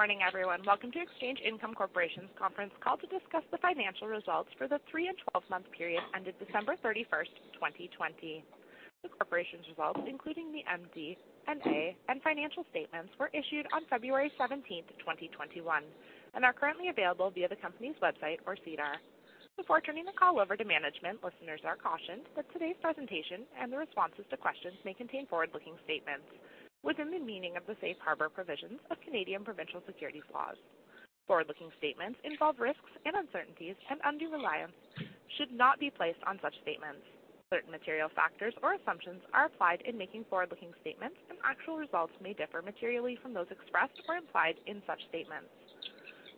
Good morning, everyone. Welcome to Exchange Income Corporation's conference call to discuss the financial results for the three and 12-month period ended December 31, 2020. The corporation's results, including the MD&A and financial statements, were issued on February 17, 2021, and are currently available via the company's website or SEDAR. Before turning the call over to management, listeners are cautioned that today's presentation and the responses to questions may contain forward-looking statements within the meaning of the safe harbor provisions of Canadian provincial securities laws. Forward-looking statements involve risks and uncertainties, and undue reliance should not be placed on such statements. Certain material factors or assumptions are applied in making forward-looking statements, and actual results may differ materially from those expressed or implied in such statements.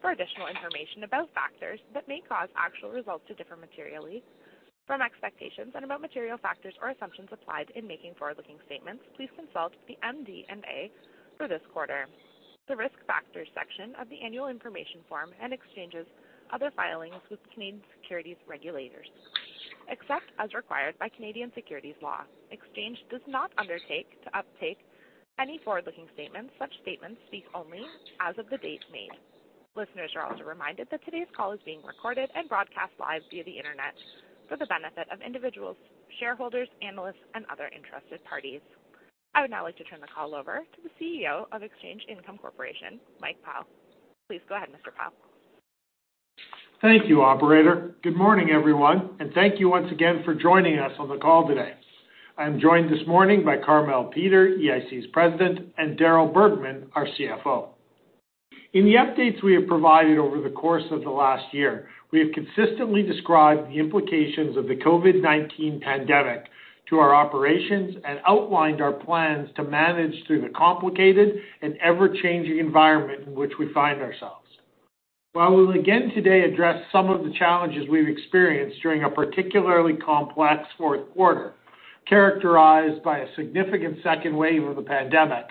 For additional information about factors that may cause actual results to differ materially from expectations and about material factors or assumptions applied in making forward-looking statements, please consult the MD&A for this quarter. The Risk Factors section of the annual information form and Exchange's other filings with Canadian securities regulators. Except as required by Canadian securities law, Exchange does not undertake to uptake any forward-looking statements. Such statements speak only as of the date made. Listeners are also reminded that today's call is being recorded and broadcast live via the Internet for the benefit of individuals, shareholders, analysts, and other interested parties. I would now like to turn the call over to the CEO of Exchange Income Corporation, Mike Pyle. Please go ahead, Mr. Pyle. Thank you, operator. Good morning, everyone, and thank you once again for joining us on the call today. I am joined this morning by Carmele Peter, EIC's President, and Darryl Bergman, our CFO. In the updates we have provided over the course of the last year, we have consistently described the implications of the COVID-19 pandemic to our operations and outlined our plans to manage through the complicated and ever-changing environment in which we find ourselves. While we'll again today address some of the challenges we've experienced during a particularly complex fourth quarter, characterized by a significant second wave of the pandemic,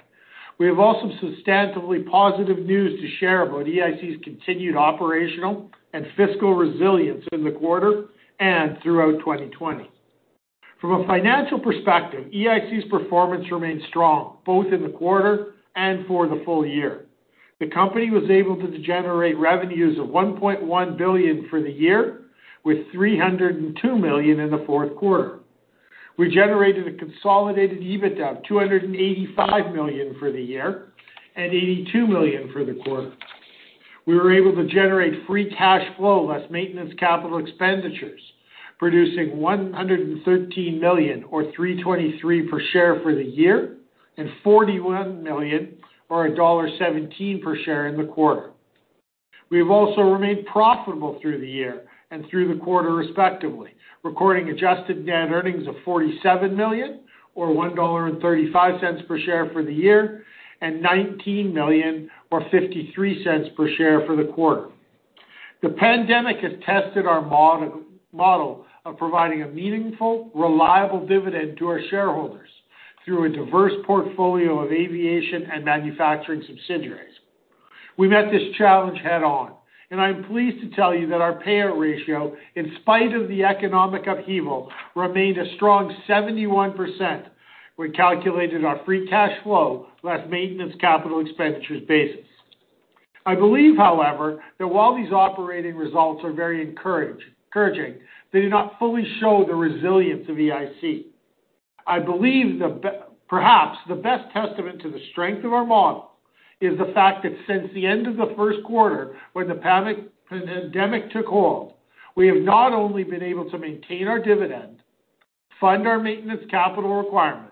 we have also substantively positive news to share about EIC's continued operational and fiscal resilience in the quarter and throughout 2020. From a financial perspective, EIC's performance remains strong both in the quarter and for the full-year. The company was able to generate revenues of 1.1 billion for the year, with 302 million in the fourth quarter. We generated a consolidated EBITDA of 285 million for the year and 82 million for the quarter. We were able to generate free cash flow less maintenance capital expenditures, producing 113 million, or 3.23 per share for the year, and 41 million, or dollar 1.17 per share in the quarter. We have also remained profitable through the year and through the quarter respectively, recording adjusted net earnings of 47 million, or 1.35 dollar per share for the year, and 19 million, or 0.53 per share for the quarter. The pandemic has tested our model of providing a meaningful, reliable dividend to our shareholders through a diverse portfolio of aviation and manufacturing subsidiaries. We met this challenge head-on, and I'm pleased to tell you that our payout ratio, in spite of the economic upheaval, remained a strong 71% when calculated on a free cash flow less maintenance capital expenditures basis. I believe, however, that while these operating results are very encouraging, they do not fully show the resilience of EIC. I believe perhaps the best testament to the strength of our model is the fact that since the end of the first quarter, when the pandemic took hold, we have not only been able to maintain our dividend, fund our maintenance capital requirements,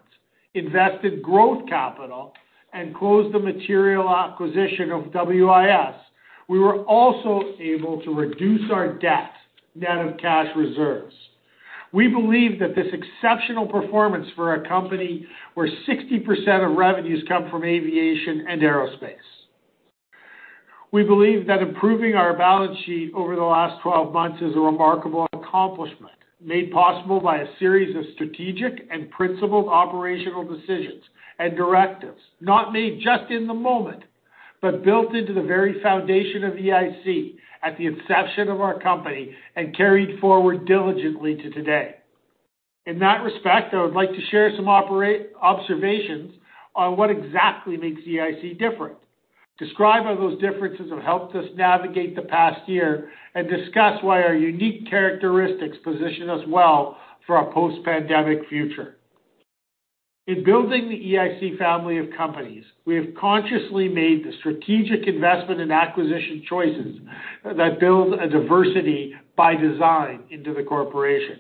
invest in growth capital, and close the material acquisition of WIS, we were also able to reduce our debt net of cash reserves. We believe that this exceptional performance for a company where 60% of revenues come from aviation and aerospace. We believe that improving our balance sheet over the last 12 months is a remarkable accomplishment, made possible by a series of strategic and principled operational decisions and directives, not made just in the moment, but built into the very foundation of EIC at the inception of our company and carried forward diligently to today. In that respect, I would like to share some observations on what exactly makes EIC different, describe how those differences have helped us navigate the past year, and discuss why our unique characteristics position us well for a post-pandemic future. In building the EIC family of companies, we have consciously made the strategic investment and acquisition choices that build a diversity by design into the corporation.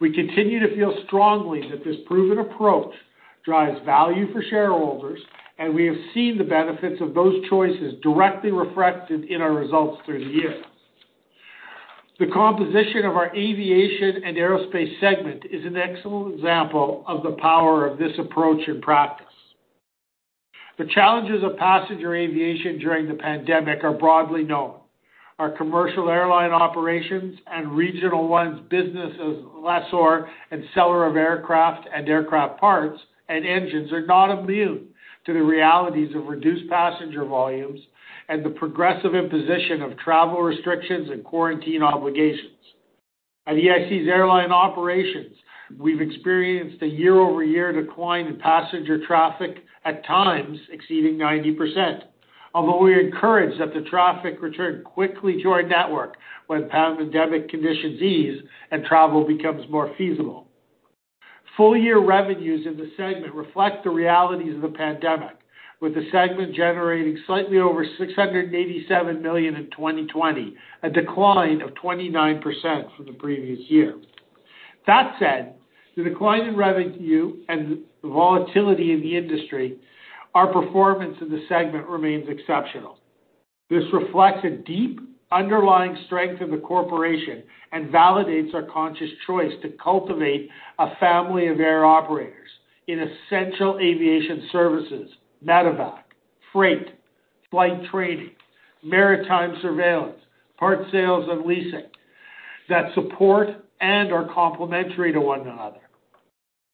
We continue to feel strongly that this proven approach drives value for shareholders, and we have seen the benefits of those choices directly reflected in our results through the year. The composition of our aviation and aerospace segment is an excellent example of the power of this approach in practice. The challenges of passenger aviation during the pandemic are broadly known. Our commercial airline operations and Regional One's business as lessor and seller of aircraft and aircraft parts and engines are not immune to the realities of reduced passenger volumes and the progressive imposition of travel restrictions and quarantine obligations. At EIC's airline operations, we've experienced a year-over-year decline in passenger traffic, at times exceeding 90%. Although we are encouraged that the traffic return quickly to our network when pandemic conditions ease and travel becomes more feasible. Full-year revenues in the segment reflect the realities of the pandemic, with the segment generating slightly over 687 million in 2020, a decline of 29% from the previous year. That said, the decline in revenue and the volatility in the industry, our performance in the segment remains exceptional. This reflects a deep underlying strength of the corporation and validates our conscious choice to cultivate a family of air operators in essential aviation services, medevac, freight, flight training, maritime surveillance, parts sales, and leasing that support and are complementary to one another.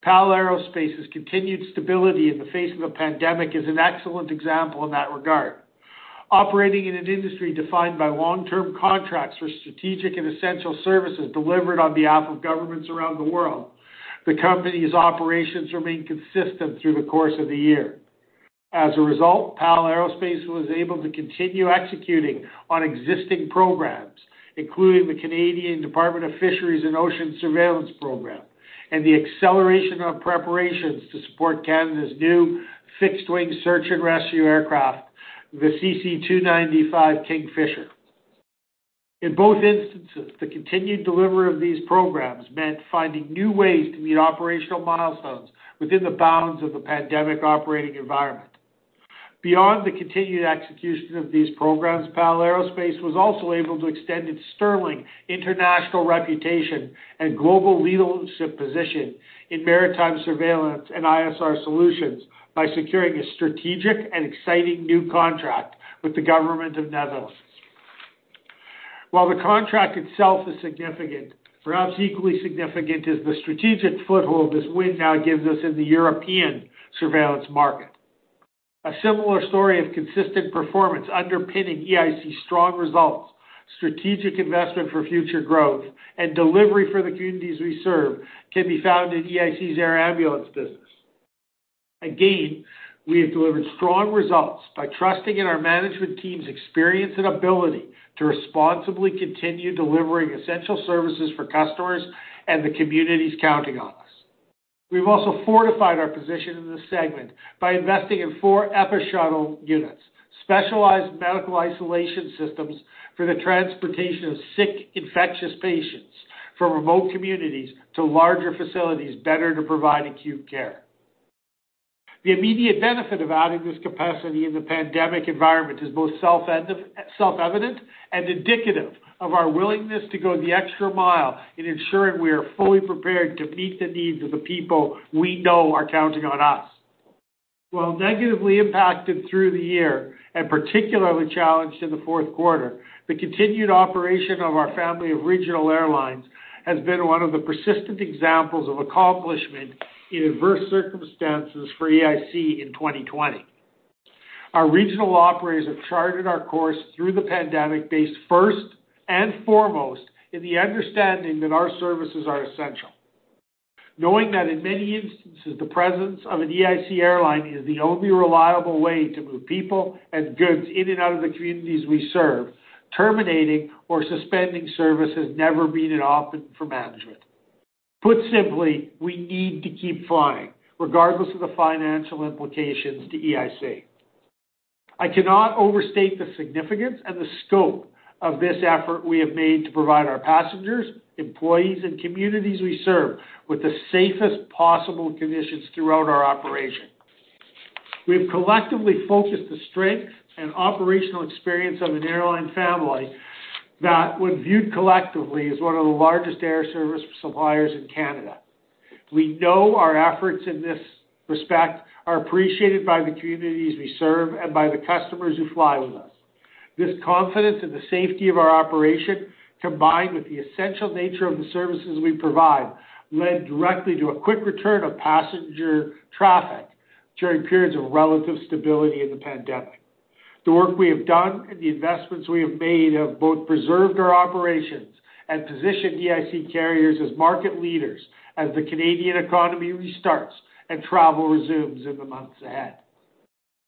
PAL Aerospace's continued stability in the face of a pandemic is an excellent example in that regard. Operating in an industry defined by long-term contracts for strategic and essential services delivered on behalf of governments around the world, the company's operations remain consistent through the course of the year. As a result, PAL Aerospace was able to continue executing on existing programs, including the Canadian Department of Fisheries and Oceans surveillance program, and the acceleration of preparations to support Canada's new Fixed-Wing Search and Rescue aircraft, the CC-295 Kingfisher. In both instances, the continued delivery of these programs meant finding new ways to meet operational milestones within the bounds of the pandemic operating environment. Beyond the continued execution of these programs, PAL Aerospace was also able to extend its sterling international reputation and global leadership position in maritime surveillance and ISR solutions by securing a strategic and exciting new contract with the government of Netherlands. While the contract itself is significant, perhaps equally significant is the strategic foothold this win now gives us in the European surveillance market. A similar story of consistent performance underpinning EIC's strong results, strategic investment for future growth, and delivery for the communities we serve can be found in EIC's air ambulance business. Again, we have delivered strong results by trusting in our management team's experience and ability to responsibly continue delivering essential services for customers and the communities counting on us. We've also fortified our position in this segment by investing in four EpiShuttle units, specialized medical isolation systems for the transportation of sick infectious patients from remote communities to larger facilities better to provide acute care. The immediate benefit of adding this capacity in the pandemic environment is both self-evident and indicative of our willingness to go the extra mile in ensuring we are fully prepared to meet the needs of the people we know are counting on us. While negatively impacted through the year, and particularly challenged in the fourth quarter, the continued operation of our family of regional airlines has been one of the persistent examples of accomplishment in adverse circumstances for EIC in 2020. Our regional operators have charted our course through the pandemic based first and foremost in the understanding that our services are essential. Knowing that in many instances, the presence of an EIC airline is the only reliable way to move people and goods in and out of the communities we serve, terminating or suspending services never been an option for management. Put simply, we need to keep flying, regardless of the financial implications to EIC. I cannot overstate the significance and the scope of this effort we have made to provide our passengers, employees, and communities we serve with the safest possible conditions throughout our operation. We've collectively focused the strength and operational experience of an airline family that when viewed collectively, is one of the largest air service suppliers in Canada. We know our efforts in this respect are appreciated by the communities we serve and by the customers who fly with us. This confidence in the safety of our operation, combined with the essential nature of the services we provide, led directly to a quick return of passenger traffic during periods of relative stability in the pandemic. The work we have done and the investments we have made have both preserved our operations and positioned EIC carriers as market leaders as the Canadian economy restarts and travel resumes in the months ahead.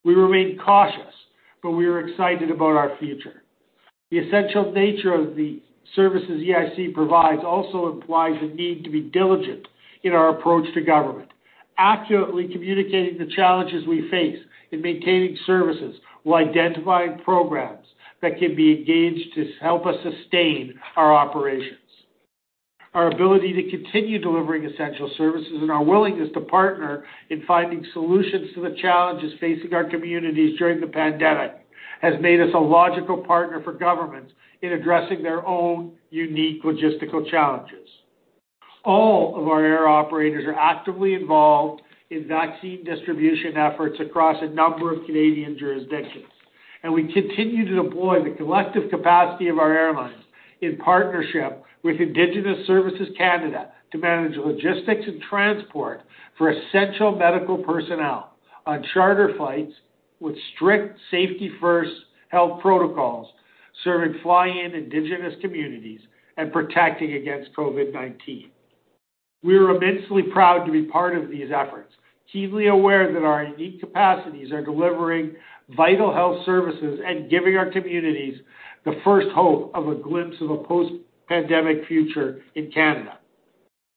We remain cautious, but we are excited about our future. The essential nature of the services EIC provides also implies a need to be diligent in our approach to government, accurately communicating the challenges we face in maintaining services while identifying programs that can be engaged to help us sustain our operations. Our ability to continue delivering essential services and our willingness to partner in finding solutions to the challenges facing our communities during the pandemic has made us a logical partner for governments in addressing their own unique logistical challenges. All of our air operators are actively involved in vaccine distribution efforts across a number of Canadian jurisdictions, and we continue to deploy the collective capacity of our airlines in partnership with Indigenous Services Canada to manage the logistics and transport for essential medical personnel on charter flights with strict safety first health protocols, serving fly in indigenous communities and protecting against COVID-19. We are immensely proud to be part of these efforts, keenly aware that our unique capacities are delivering vital health services and giving our communities the first hope of a glimpse of a post-pandemic future in Canada.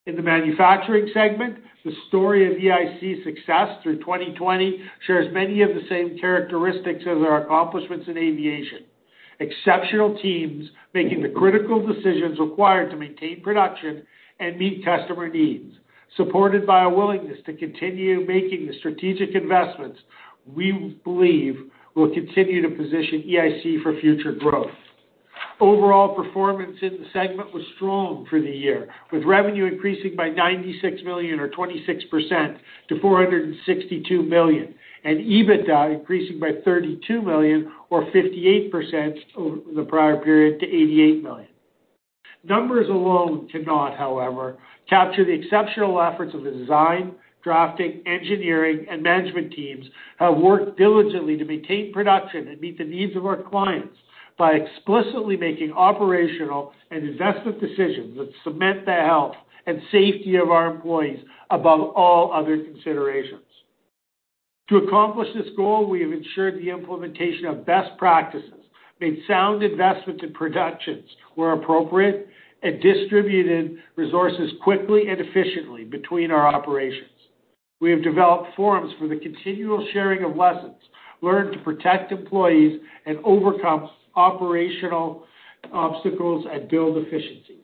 In the manufacturing segment, the story of EIC's success through 2020 shares many of the same characteristics as our accomplishments in aviation. Exceptional teams making the critical decisions required to maintain production and meet customer needs, supported by a willingness to continue making the strategic investments we believe will continue to position EIC for future growth. Overall performance in the segment was strong for the year, with revenue increasing by 96 million or 26% to 462 million, and EBITDA increasing by 32 million or 58% over the prior period to 88 million. Numbers alone cannot, however, capture the exceptional efforts of the design, drafting, engineering, and management teams have worked diligently to maintain production and meet the needs of our clients by explicitly making operational and investment decisions that cement the health and safety of our employees above all other considerations. To accomplish this goal, we have ensured the implementation of best practices, made sound investments in productions where appropriate, and distributed resources quickly and efficiently between our operations. We have developed forums for the continual sharing of lessons, learned to protect employees and overcome operational obstacles and build efficiencies.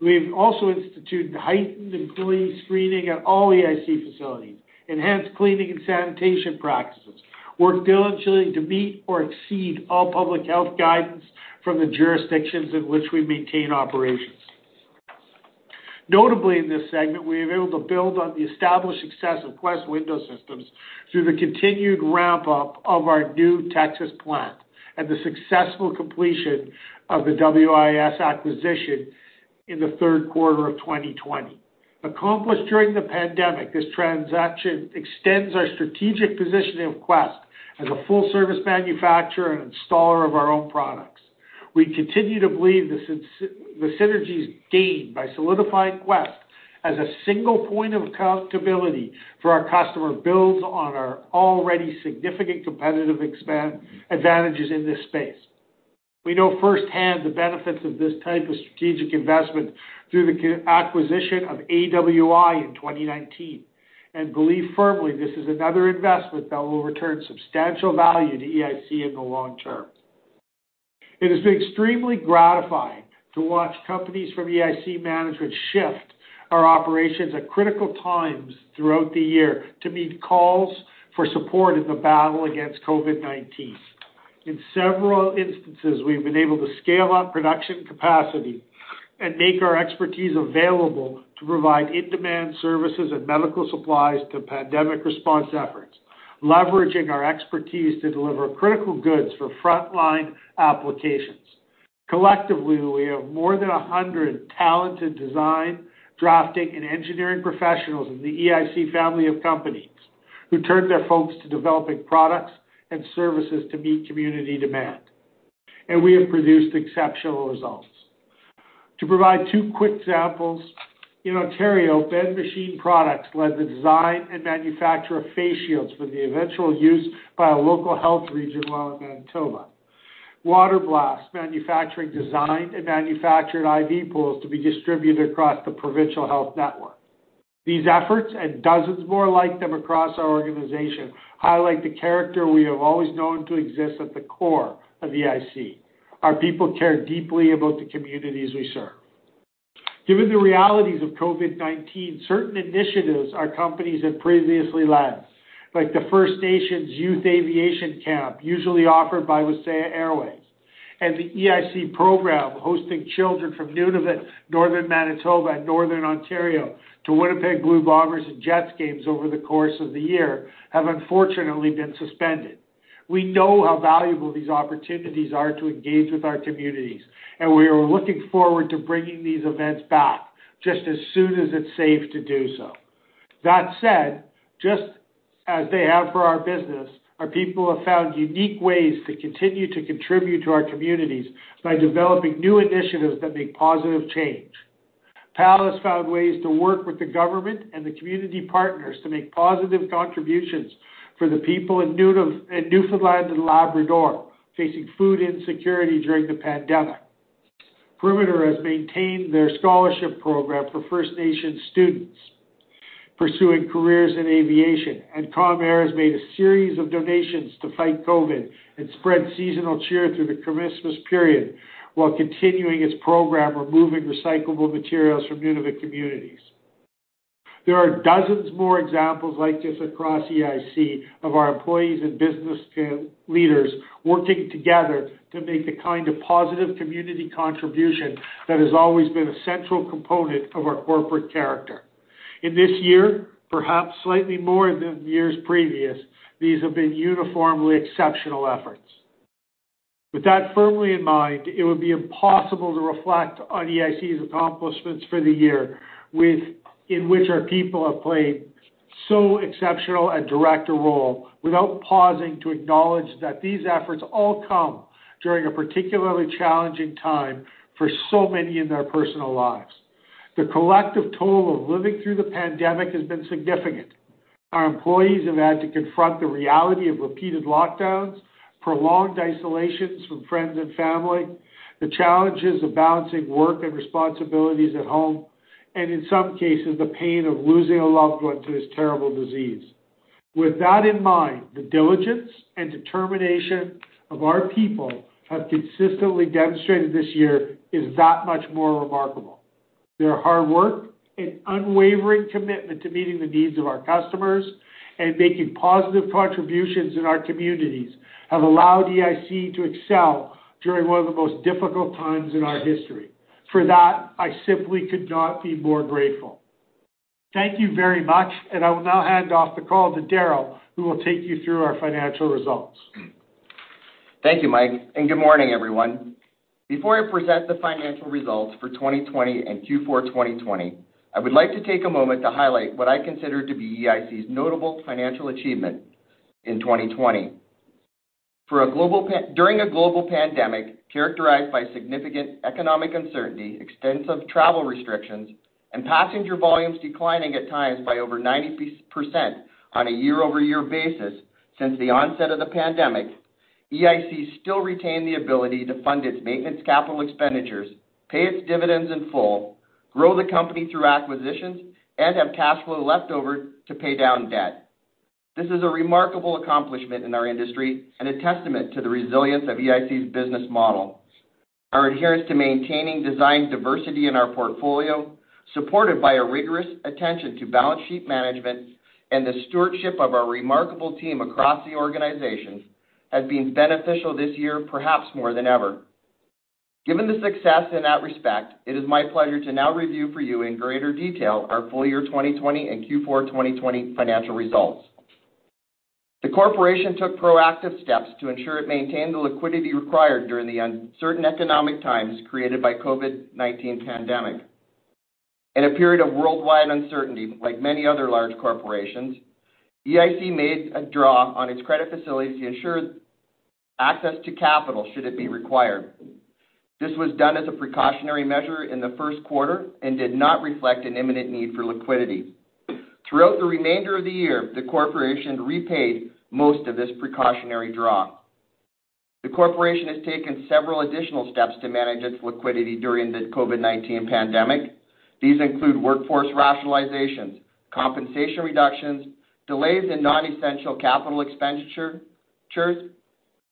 We've also instituted heightened employee screening at all EIC facilities, enhanced cleaning and sanitation practices, worked diligently to meet or exceed all public health guidance from the jurisdictions in which we maintain operations. Notably in this segment, we were able to build on the established success of Quest Window Systems through the continued ramp-up of our new Texas plant and the successful completion of the WIS acquisition in the third quarter of 2020. Accomplished during the pandemic, this transaction extends our strategic positioning of Quest as a full service manufacturer and installer of our own products. We continue to believe the synergies gained by solidifying Quest as a single point of accountability for our customer builds on our already significant competitive advantages in this space. We know firsthand the benefits of this type of strategic investment through the acquisition of AWI in 2019 and believe firmly this is another investment that will return substantial value to EIC in the long-term. It has been extremely gratifying to watch companies from EIC management shift our operations at critical times throughout the year to meet calls for support in the battle against COVID-19. In several instances, we've been able to scale up production capacity and make our expertise available to provide in-demand services and medical supplies to pandemic response efforts, leveraging our expertise to deliver critical goods for frontline applications. Collectively, we have more than 100 talented design, drafting, and engineering professionals in the EIC family of companies who turned their focus to developing products and services to meet community demand. We have produced exceptional results. To provide two quick examples, in Ontario, Ben Machine Products led the design and manufacture of face shields for the eventual use by a local health region while in Manitoba. Water Blast designed and manufactured IV poles to be distributed across the provincial health network. These efforts and dozens more like them across our organization highlight the character we have always known to exist at the core of EIC. Our people care deeply about the communities we serve. Given the realities of COVID-19, certain initiatives our companies have previously led, like the First Nations Youth Aviation Camp usually offered by Wasaya Airways and the EIC program hosting children from Nunavut, Northern Manitoba, and Northern Ontario to Winnipeg Blue Bombers and Jets games over the course of the year have unfortunately been suspended. We know how valuable these opportunities are to engage with our communities, and we are looking forward to bringing these events back just as soon as it's safe to do so. That said, just as they have for our business, our people have found unique ways to continue to contribute to our communities by developing new initiatives that make positive change. PAL Aerospace found ways to work with the government and the community partners to make positive contributions for the people in Newfoundland and Labrador facing food insecurity during the pandemic. Perimeter Aviation has maintained their scholarship program for First Nations students pursuing careers in aviation. Calm Air has made a series of donations to fight COVID and spread seasonal cheer through the Christmas period while continuing its program removing recyclable materials from Nunavut communities. There are dozens more examples like this across EIC of our employees and business leaders working together to make the kind of positive community contribution that has always been a central component of our corporate character. In this year, perhaps slightly more than years previous, these have been uniformly exceptional efforts. With that firmly in mind, it would be impossible to reflect on EIC's accomplishments for the year in which our people have played so exceptional a director role, without pausing to acknowledge that these efforts all come during a particularly challenging time for so many in their personal lives. The collective toll of living through the pandemic has been significant. Our employees have had to confront the reality of repeated lockdowns, prolonged isolations from friends and family, the challenges of balancing work and responsibilities at home, and in some cases, the pain of losing a loved one to this terrible disease. With that in mind, the diligence and determination of our people have consistently demonstrated this year is that much more remarkable. Their hard work and unwavering commitment to meeting the needs of our customers and making positive contributions in our communities have allowed EIC to excel during one of the most difficult times in our history. For that, I simply could not be more grateful. Thank you very much, and I will now hand off the call to Darryl, who will take you through our financial results. Thank you, Mike. Good morning, everyone. Before I present the financial results for 2020 and Q4 2020, I would like to take a moment to highlight what I consider to be EIC's notable financial achievement in 2020. During a global pandemic characterized by significant economic uncertainty, extensive travel restrictions, and passenger volumes declining at times by over 90% on a year-over-year basis since the onset of the pandemic, EIC still retained the ability to fund its maintenance capital expenditures, pay its dividends in full, grow the company through acquisitions, and have cash flow left over to pay down debt. This is a remarkable accomplishment in our industry and a testament to the resilience of EIC's business model. Our adherence to maintaining design diversity in our portfolio, supported by a rigorous attention to balance sheet management and the stewardship of our remarkable team across the organization, has been beneficial this year, perhaps more than ever. Given the success in that respect, it is my pleasure to now review for you in greater detail our full-year 2020 and Q4 2020 financial results. The corporation took proactive steps to ensure it maintained the liquidity required during the uncertain economic times created by COVID-19 pandemic. In a period of worldwide uncertainty, like many other large corporations, EIC made a draw on its credit facilities to ensure access to capital should it be required. This was done as a precautionary measure in the first quarter and did not reflect an imminent need for liquidity. Throughout the remainder of the year, the corporation repaid most of this precautionary draw. The corporation has taken several additional steps to manage its liquidity during the COVID-19 pandemic. These include workforce rationalizations, compensation reductions, delays in non-essential capital expenditures,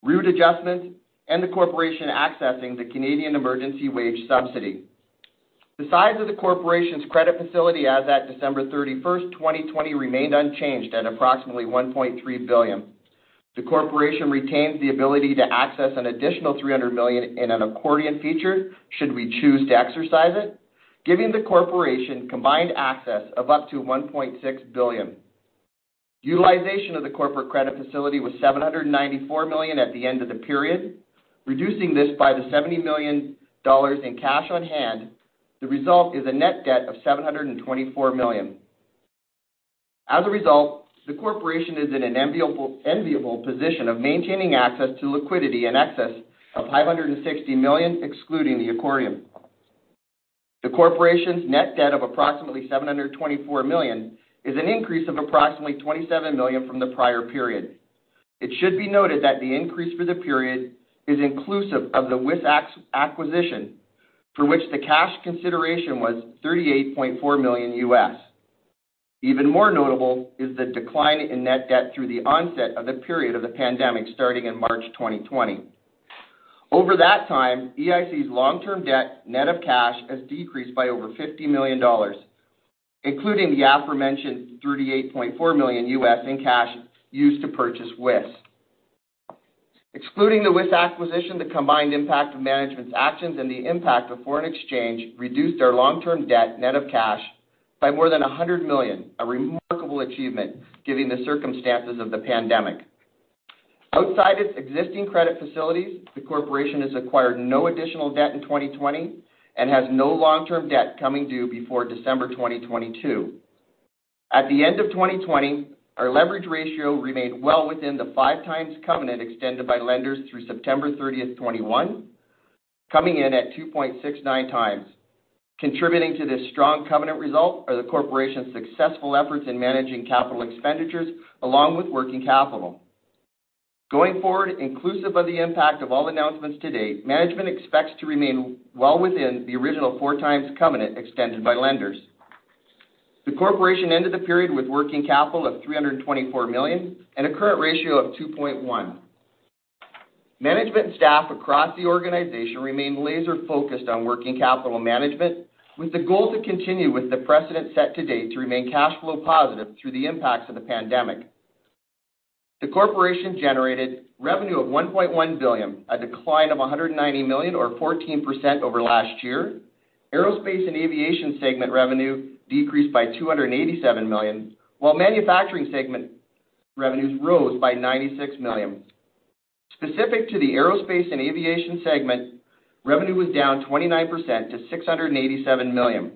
route adjustments, and the corporation accessing the Canadian Emergency Wage Subsidy. The size of the corporation's credit facility as at December 31st, 2020, remained unchanged at approximately 1.3 billion. The corporation retains the ability to access an additional 300 million in an accordion feature should we choose to exercise it, giving the corporation combined access of up to 1.6 billion. Utilization of the corporate credit facility was 794 million at the end of the period. Reducing this by the 70 million dollars in cash on hand, the result is a net debt of 724 million. As a result, the corporation is in an enviable position of maintaining access to liquidity in excess of 560 million, excluding the accordion. The corporation's net debt of approximately 724 million is an increase of approximately 27 million from the prior period. It should be noted that the increase for the period is inclusive of the WIS acquisition, for which the cash consideration was $38.4 million U.S. Even more notable is the decline in net debt through the onset of the period of the pandemic starting in March 2020. Over that time, EIC's long-term debt net of cash has decreased by over 50 million dollars, including the aforementioned $38.4 million U.S. in cash used to purchase Wizz. Excluding the WIS acquisition, the combined impact of management's actions and the impact of foreign exchange reduced our long-term debt net of cash by more than 100 million, a remarkable achievement given the circumstances of the pandemic. Outside its existing credit facilities, the Corporation has acquired no additional debt in 2020 and has no long-term debt coming due before December 2022. At the end of 2020, our leverage ratio remained well within the 5x covenant extended by lenders through September 30, 2021, coming in at 2.69x. Contributing to this strong covenant result are the Corporation's successful efforts in managing capital expenditures along with working capital. Going forward, inclusive of the impact of all announcements to date, management expects to remain well within the original four times covenant extended by lenders. The Corporation ended the period with working capital of 324 million and a current ratio of 2.1. Management and staff across the organization remain laser-focused on working capital management with the goal to continue with the precedent set to date to remain cash flow positive through the impacts of the pandemic. The corporation generated revenue of 1.1 billion, a decline of 190 million or 14% over last year. Aerospace and Aviation segment revenue decreased by 287 million, while manufacturing segment revenues rose by 96 million. Specific to the Aerospace and Aviation segment, revenue was down 29% to 687 million.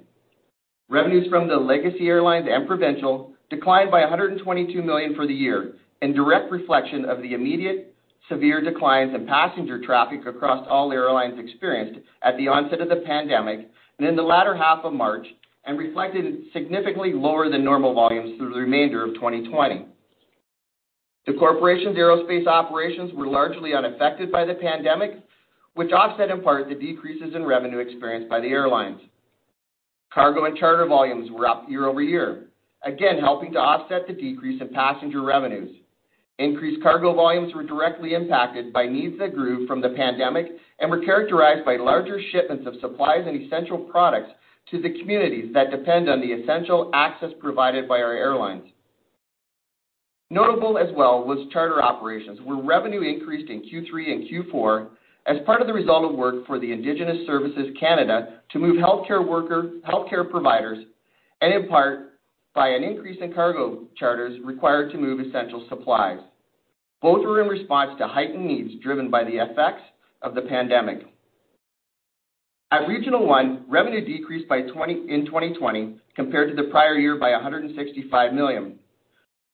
Revenues from the Legacy Airlines and Provincial Airlines declined by 122 million for the year, in direct reflection of the immediate severe declines in passenger traffic across all airlines experienced at the onset of the pandemic and in the latter half of March, and reflected significantly lower than normal volumes through the remainder of 2020. The corporation's aerospace operations were largely unaffected by the pandemic, which offset in part the decreases in revenue experienced by the airlines. Cargo and charter volumes were up year-over-year, again, helping to offset the decrease in passenger revenues. Increased cargo volumes were directly impacted by needs that grew from the pandemic and were characterized by larger shipments of supplies and essential products to the communities that depend on the essential access provided by our airlines. Notable as well was charter operations, where revenue increased in Q3 and Q4 as part of the result of work for Indigenous Services Canada to move healthcare providers, and in part by an increase in cargo charters required to move essential supplies. Both were in response to heightened needs driven by the effects of the pandemic. At Regional One, revenue decreased in 2020 compared to the prior year by 165 million.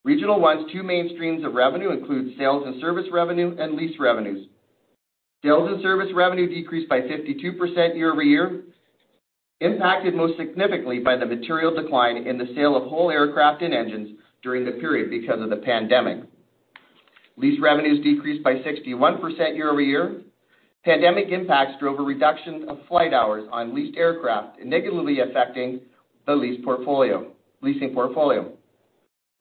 Regional One's two main streams of revenue include sales and service revenue and lease revenues. Sales and service revenue decreased by 52% year-over-year, impacted most significantly by the material decline in the sale of whole aircraft and engines during the period because of the pandemic. Lease revenues decreased by 61% year-over-year. pandemic impacts drove a reduction of flight hours on leased aircraft, negatively affecting the leasing portfolio.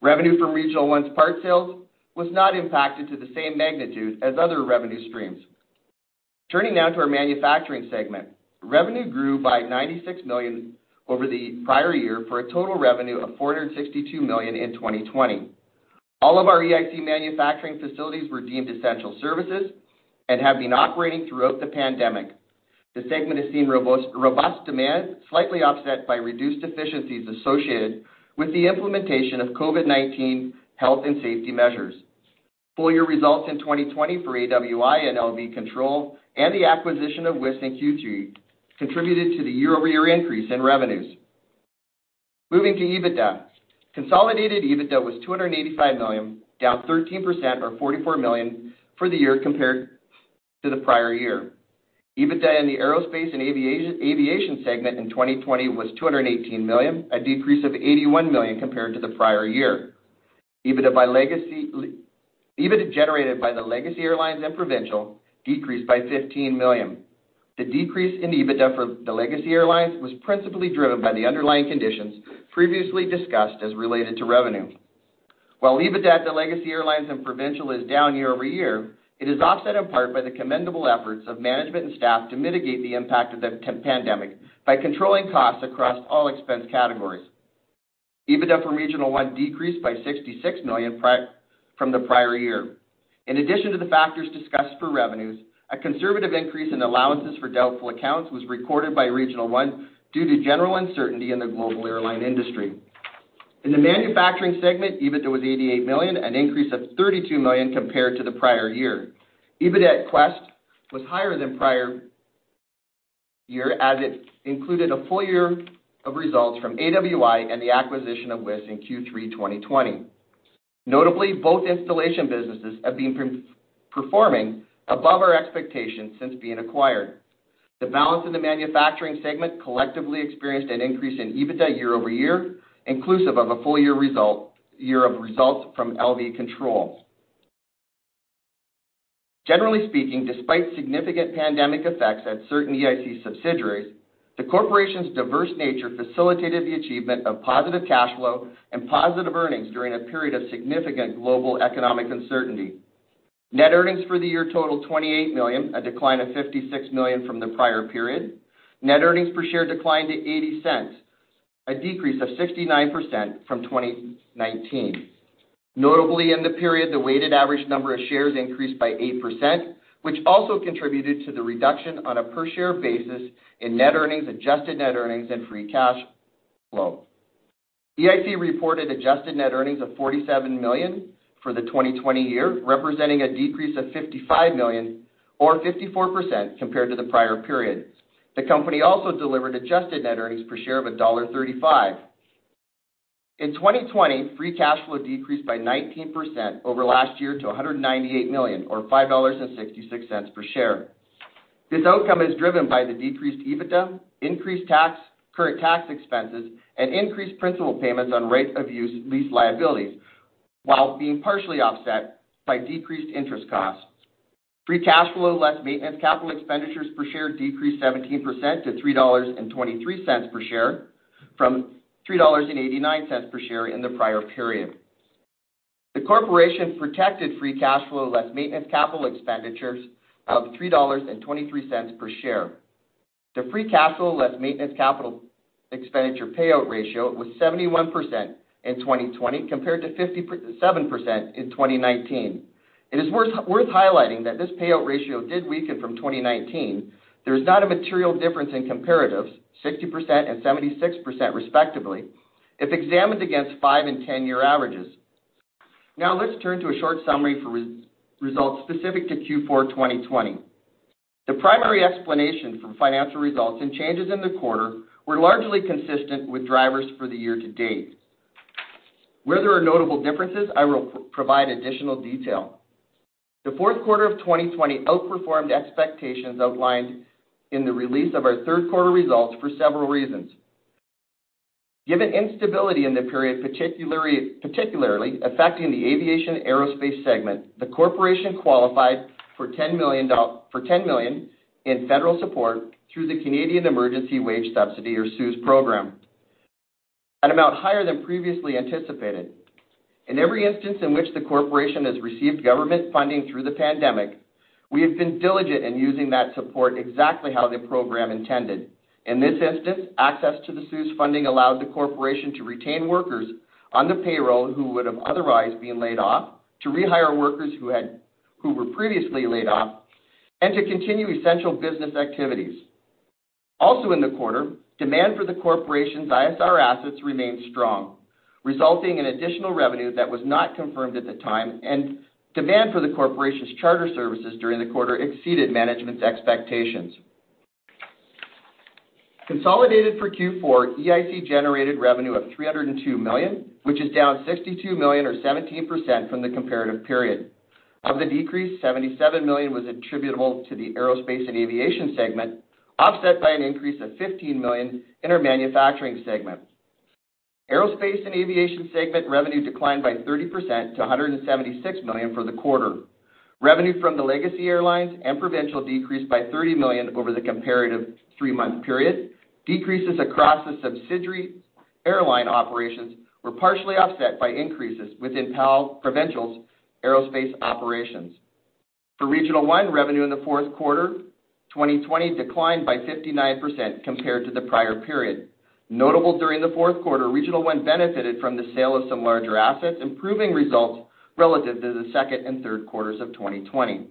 Revenue from Regional One's part sales was not impacted to the same magnitude as other revenue streams. Turning now to our manufacturing segment. Revenue grew by 96 million over the prior year for a total revenue of 462 million in 2020. All of our EIC manufacturing facilities were deemed essential services and have been operating throughout the pandemic. The segment has seen robust demand, slightly offset by reduced efficiencies associated with the implementation of COVID-19 health and safety measures. Full-year results in 2020 for AWI and LV Control and the acquisition of WIS in Q3 contributed to the year-over-year increase in revenues. Moving to EBITDA. Consolidated EBITDA was 285 million, down 13% or 44 million for the year compared to the prior year. EBITDA in the aerospace and aviation segment in 2020 was 218 million, a decrease of 81 million compared to the prior year. EBITDA generated by the Legacy Airlines and Provincial decreased by 15 million. The decrease in EBITDA for the Legacy Airlines was principally driven by the underlying conditions previously discussed as related to revenue. While EBITDA at the Legacy Airlines and Provincial is down year-over-year, it is offset in part by the commendable efforts of management and staff to mitigate the impact of the pandemic by controlling costs across all expense categories. EBITDA for Regional One decreased by 66 million from the prior year. In addition to the factors discussed for revenues, a conservative increase in allowances for doubtful accounts was recorded by Regional One due to general uncertainty in the global airline industry. In the manufacturing segment, EBITDA was 88 million, an increase of 32 million compared to the prior year. EBITDA at Quest was higher than prior year as it included a full-year of results from AWI and the acquisition of WIS in Q3 2020. Notably, both installation businesses have been performing above our expectations since being acquired. The balance in the manufacturing segment collectively experienced an increase in EBITDA year-over-year, inclusive of a full-year of results from LV Control. Generally speaking, despite significant pandemic effects at certain EIC subsidiaries, the corporation's diverse nature facilitated the achievement of positive cash flow and positive earnings during a period of significant global economic uncertainty. Net earnings for the year totaled 28 million, a decline of 56 million from the prior period. Net earnings per share declined to 0.80, a decrease of 69% from 2019. Notably, in the period, the weighted average number of shares increased by 8%, which also contributed to the reduction on a per share basis in net earnings, adjusted net earnings, and free cash flow. EIC reported adjusted net earnings of 47 million for the 2020 year, representing a decrease of 55 million or 54% compared to the prior period. The company also delivered adjusted net earnings per share of dollar 1.35. In 2020, free cash flow decreased by 19% over last year to 198 million or 5.66 dollars per share. This outcome is driven by the decreased EBITDA, increased current tax expenses, and increased principal payments on rate of lease liabilities, while being partially offset by decreased interest costs. Free cash flow, less maintenance capital expenditures per share decreased 17% to 3.23 dollars per share from 3.89 dollars per share in the prior period. The corporation protected free cash flow, less maintenance capital expenditures of 3.23 dollars per share. The free cash flow, less maintenance capital expenditure payout ratio was 71% in 2020 compared to 57% in 2019. It is worth highlighting that this payout ratio did weaken from 2019. There is not a material difference in comparatives, 60% and 76% respectively, if examined against five and 10-year averages. Now let's turn to a short summary for results specific to Q4 2020. The primary explanation for financial results and changes in the quarter were largely consistent with drivers for the year-to-date. Where there are notable differences, I will provide additional detail. The fourth quarter of 2020 outperformed expectations outlined in the release of our third quarter results for several reasons. Given instability in the period particularly affecting the aviation aerospace segment, the corporation qualified for 10 million in federal support through the Canadian Emergency Wage Subsidy, or CEWS program, an amount higher than previously anticipated. In every instance in which the corporation has received government funding through the pandemic, we have been diligent in using that support exactly how the program intended. In this instance, access to the CEWS funding allowed the corporation to retain workers on the payroll who would have otherwise been laid off, to rehire workers who were previously laid off, and to continue essential business activities. Also in the quarter, demand for the corporation's ISR assets remained strong, resulting in additional revenue that was not confirmed at the time, and demand for the corporation's charter services during the quarter exceeded management's expectations. Consolidated for Q4, EIC generated revenue of 302 million, which is down 62 million or 17% from the comparative period. Of the decrease, 77 million was attributable to the Aerospace and Aviation segment, offset by an increase of 15 million in our Manufacturing segment. Aerospace and Aviation segment revenue declined by 30% to 176 million for the quarter. Revenue from the Legacy Airlines and Provincial decreased by 30 million over the comparative three-month period. Decreases across the subsidiary airline operations were partially offset by increases within Provincial's aerospace operations. For Regional One, revenue in the fourth quarter 2020 declined by 59% compared to the prior period. Notable during the fourth quarter, Regional One benefited from the sale of some larger assets, improving results relative to the second and third quarters of 2020.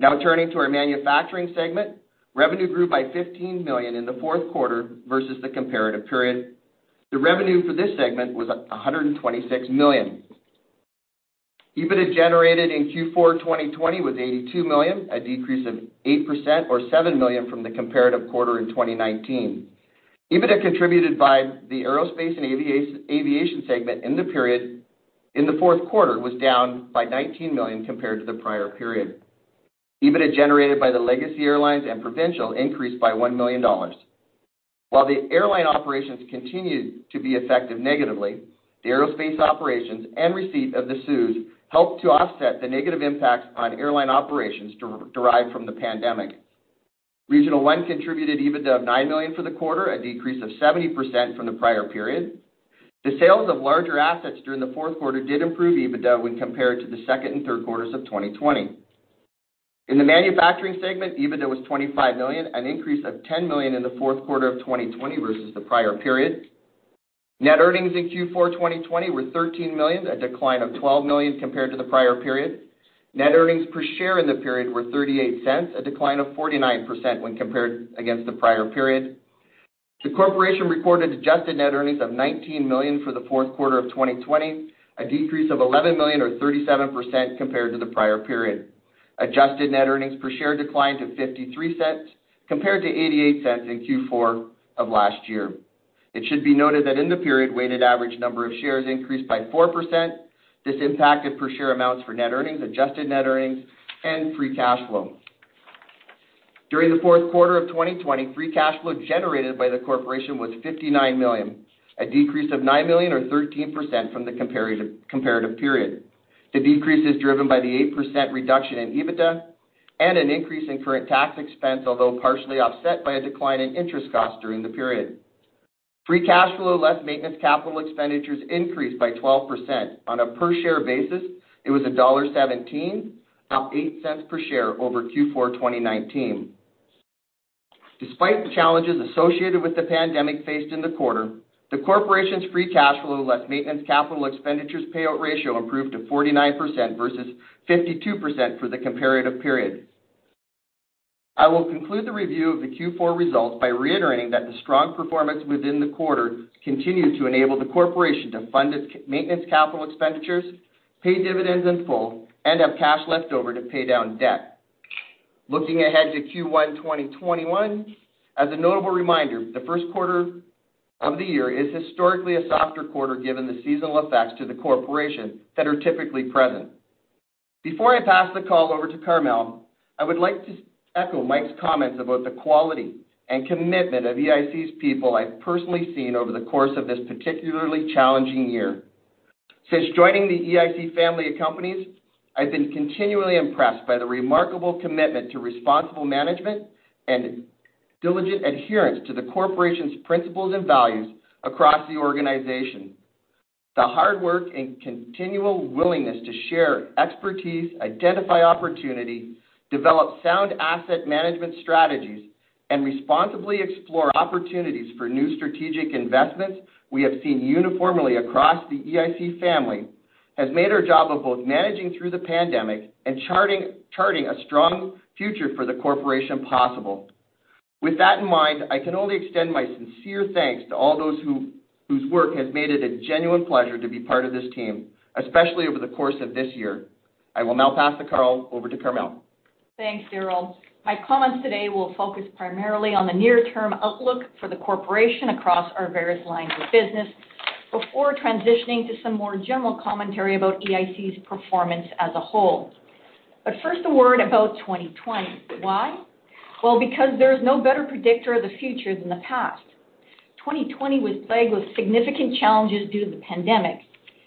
Turning to our manufacturing segment. Revenue grew by 15 million in the fourth quarter versus the comparative period. The revenue for this segment was 126 million. EBITDA generated in Q4 2020 was 82 million, a decrease of 8% or 7 million from the comparative quarter in 2019. EBITDA contributed by the Aerospace & Aviation segment in the fourth quarter was down by 19 million compared to the prior period. EBITDA generated by the Legacy Airlines and Provincial increased by 1 million dollars. The airline operations continued to be affected negatively, the aerospace operations and receipt of the CEWS helped to offset the negative impacts on airline operations derived from the pandemic. Regional One contributed EBITDA of 9 million for the quarter, a decrease of 70% from the prior period. The sales of larger assets during the fourth quarter did improve EBITDA when compared to the second and third quarters of 2020. In the manufacturing segment, EBITDA was 25 million, an increase of 10 million in the fourth quarter of 2020 versus the prior period. Net earnings in Q4 2020 were 13 million, a decline of 12 million compared to the prior period. Net earnings per share in the period were 0.38, a decline of 49% when compared against the prior period. The corporation reported adjusted net earnings of 19 million for the fourth quarter of 2020, a decrease of 11 million or 37% compared to the prior period. Adjusted net earnings per share declined to 0.53 compared to 0.88 in Q4 of last year. It should be noted that in the period, weighted average number of shares increased by 4%. This impacted per share amounts for net earnings, adjusted net earnings, and free cash flow. During the fourth quarter of 2020, free cash flow generated by the corporation was 59 million, a decrease of 9 million or 13% from the comparative period. The decrease is driven by the 8% reduction in EBITDA and an increase in current tax expense, although partially offset by a decline in interest costs during the period. Free cash flow, less maintenance capital expenditures, increased by 12%. On a per share basis, it was CAD 1.17, up 0.08 per share over Q4 2019. Despite the challenges associated with the pandemic faced in the quarter, the corporation's free cash flow, less maintenance capital expenditures payout ratio improved to 49% versus 52% for the comparative period. I will conclude the review of the Q4 results by reiterating that the strong performance within the quarter continued to enable the corporation to fund its maintenance capital expenditures, pay dividends in full, and have cash left over to pay down debt. Looking ahead to Q1 2021, as a notable reminder, the first quarter of the year is historically a softer quarter given the seasonal effects to the corporation that are typically present. Before I pass the call over to Carmele, I would like to echo Mike's comments about the quality and commitment of EIC's people I've personally seen over the course of this particularly challenging year. Since joining the EIC family of companies, I've been continually impressed by the remarkable commitment to responsible management and diligent adherence to the corporation's principles and values across the organization. The hard work and continual willingness to share expertise, identify opportunity, develop sound asset management strategies and responsibly explore opportunities for new strategic investments we have seen uniformly across the EIC family has made our job of both managing through the pandemic and charting a strong future for the corporation possible. With that in mind, I can only extend my sincere thanks to all those whose work has made it a genuine pleasure to be part of this team, especially over the course of this year. I will now pass the call over to Carmele. Thanks, Darryl. My comments today will focus primarily on the near-term outlook for the corporation across our various lines of business before transitioning to some more general commentary about EIC's performance as a whole. First, a word about 2020. Why? Well, because there's no better predictor of the future than the past. 2020 was plagued with significant challenges due to the pandemic,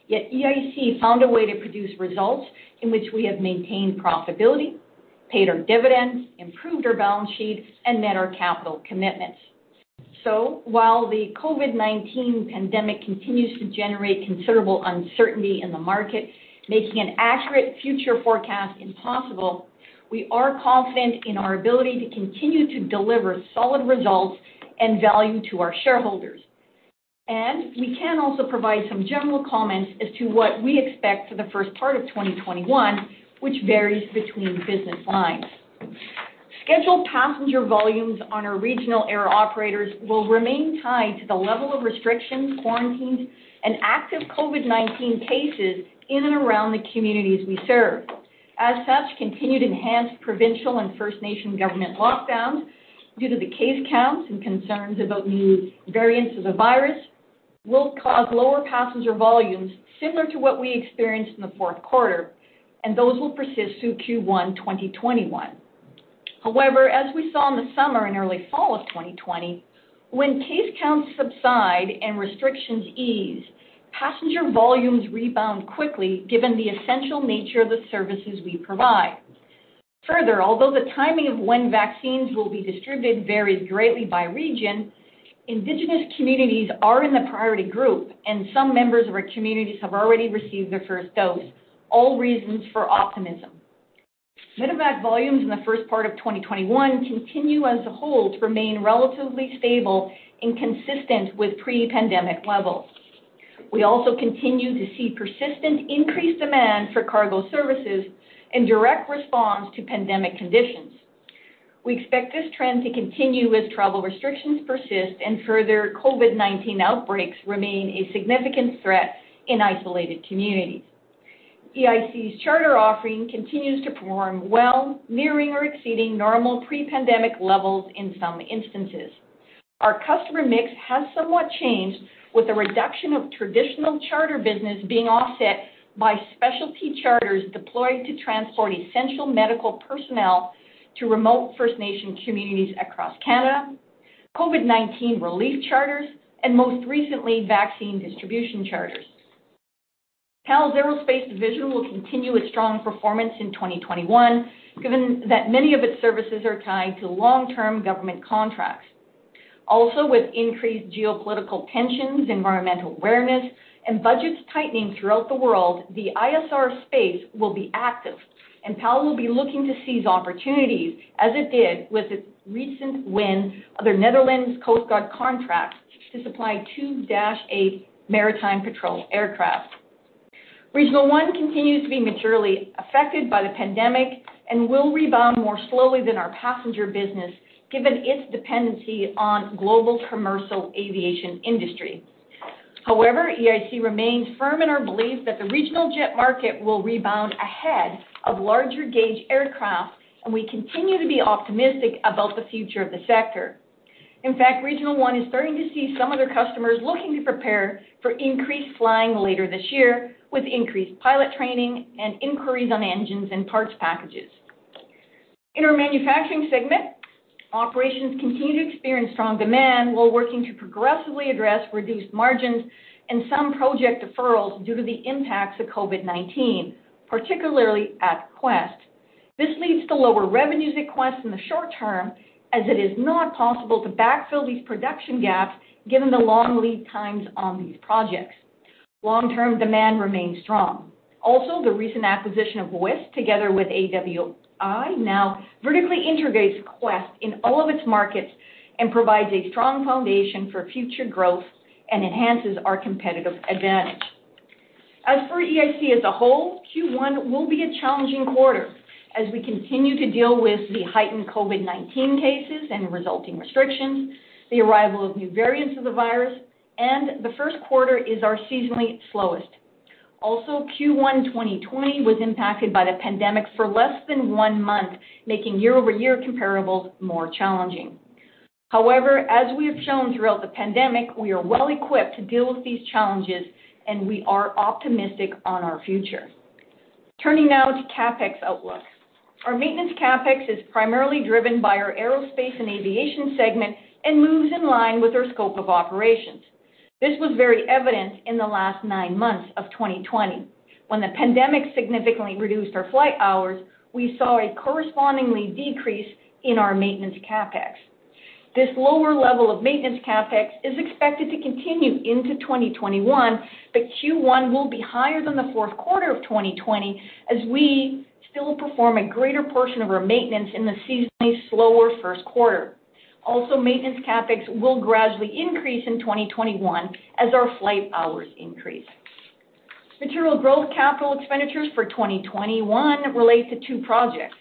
yet EIC found a way to produce results in which we have maintained profitability, paid our dividends, improved our balance sheet, and met our capital commitments. While the COVID-19 pandemic continues to generate considerable uncertainty in the market, making an accurate future forecast impossible, we are confident in our ability to continue to deliver solid results and value to our shareholders. We can also provide some general comments as to what we expect for the first part of 2021, which varies between business lines. Scheduled passenger volumes on our regional air operators will remain tied to the level of restrictions, quarantines, and active COVID-19 cases in and around the communities we serve. As such, continued enhanced provincial and First Nation government lockdowns due to the case counts and concerns about new variants of the virus will cause lower passenger volumes similar to what we experienced in the fourth quarter, and those will persist through Q1 2021. However, as we saw in the summer and early fall of 2020, when case counts subside and restrictions ease, passenger volumes rebound quickly given the essential nature of the services we provide. Further, although the timing of when vaccines will be distributed varies greatly by region, Indigenous communities are in the priority group, and some members of our communities have already received their first dose. All reasons for optimism. Medevac volumes in the first part of 2021 continue as a whole to remain relatively stable and consistent with pre-pandemic levels. We also continue to see persistent increased demand for cargo services in direct response to pandemic conditions. We expect this trend to continue as travel restrictions persist and further COVID-19 outbreaks remain a significant threat in isolated communities. EIC's charter offering continues to perform well, nearing or exceeding normal pre-pandemic levels in some instances. Our customer mix has somewhat changed, with a reduction of traditional charter business being offset by specialty charters deployed to transport essential medical personnel to remote First Nation communities across Canada, COVID-19 relief charters, and most recently, vaccine distribution charters. PAL Aerospace division will continue its strong performance in 2021, given that many of its services are tied to long-term government contracts. With increased geopolitical tensions, environmental awareness, and budgets tightening throughout the world, the ISR space will be active, and PAL will be looking to seize opportunities as it did with its recent win of the Netherlands Coastguard contract to supply two Dash 8 Maritime Patrol Aircraft. Regional One continues to be maturely affected by the pandemic and will rebound more slowly than our passenger business, given its dependency on global commercial aviation industry. EIC remains firm in our belief that the regional jet market will rebound ahead of larger gauge aircraft, and we continue to be optimistic about the future of the sector. Regional One is starting to see some of their customers looking to prepare for increased flying later this year with increased pilot training and inquiries on engines and parts packages. In our manufacturing segment, operations continue to experience strong demand while working to progressively address reduced margins and some project deferrals due to the impacts of COVID-19, particularly at Quest. This leads to lower revenues at Quest in the short term, as it is not possible to backfill these production gaps given the long lead times on these projects. Long-term demand remains strong. The recent acquisition of Wisk, together with AWI, now vertically integrates Quest in all of its markets and provides a strong foundation for future growth and enhances our competitive advantage. As for EIC as a whole, Q1 will be a challenging quarter as we continue to deal with the heightened COVID-19 cases and resulting restrictions, the arrival of new variants of the virus, and the first quarter is our seasonally slowest. Q1 2020 was impacted by the pandemic for less than one month, making year-over-year comparables more challenging. However, as we have shown throughout the pandemic, we are well equipped to deal with these challenges, and we are optimistic on our future. Turning now to CapEx outlook. Our maintenance CapEx is primarily driven by our aerospace and aviation segment and moves in line with our scope of operations. This was very evident in the last nine months of 2020. When the pandemic significantly reduced our flight hours, we saw a correspondingly decrease in our maintenance CapEx. This lower level of maintenance CapEx is expected to continue into 2021, but Q1 will be higher than the fourth quarter of 2020 as we still perform a greater portion of our maintenance in the seasonally slower first quarter. Maintenance CapEx will gradually increase in 2021 as our flight hours increase. Material growth capital expenditures for 2021 relate to two projects.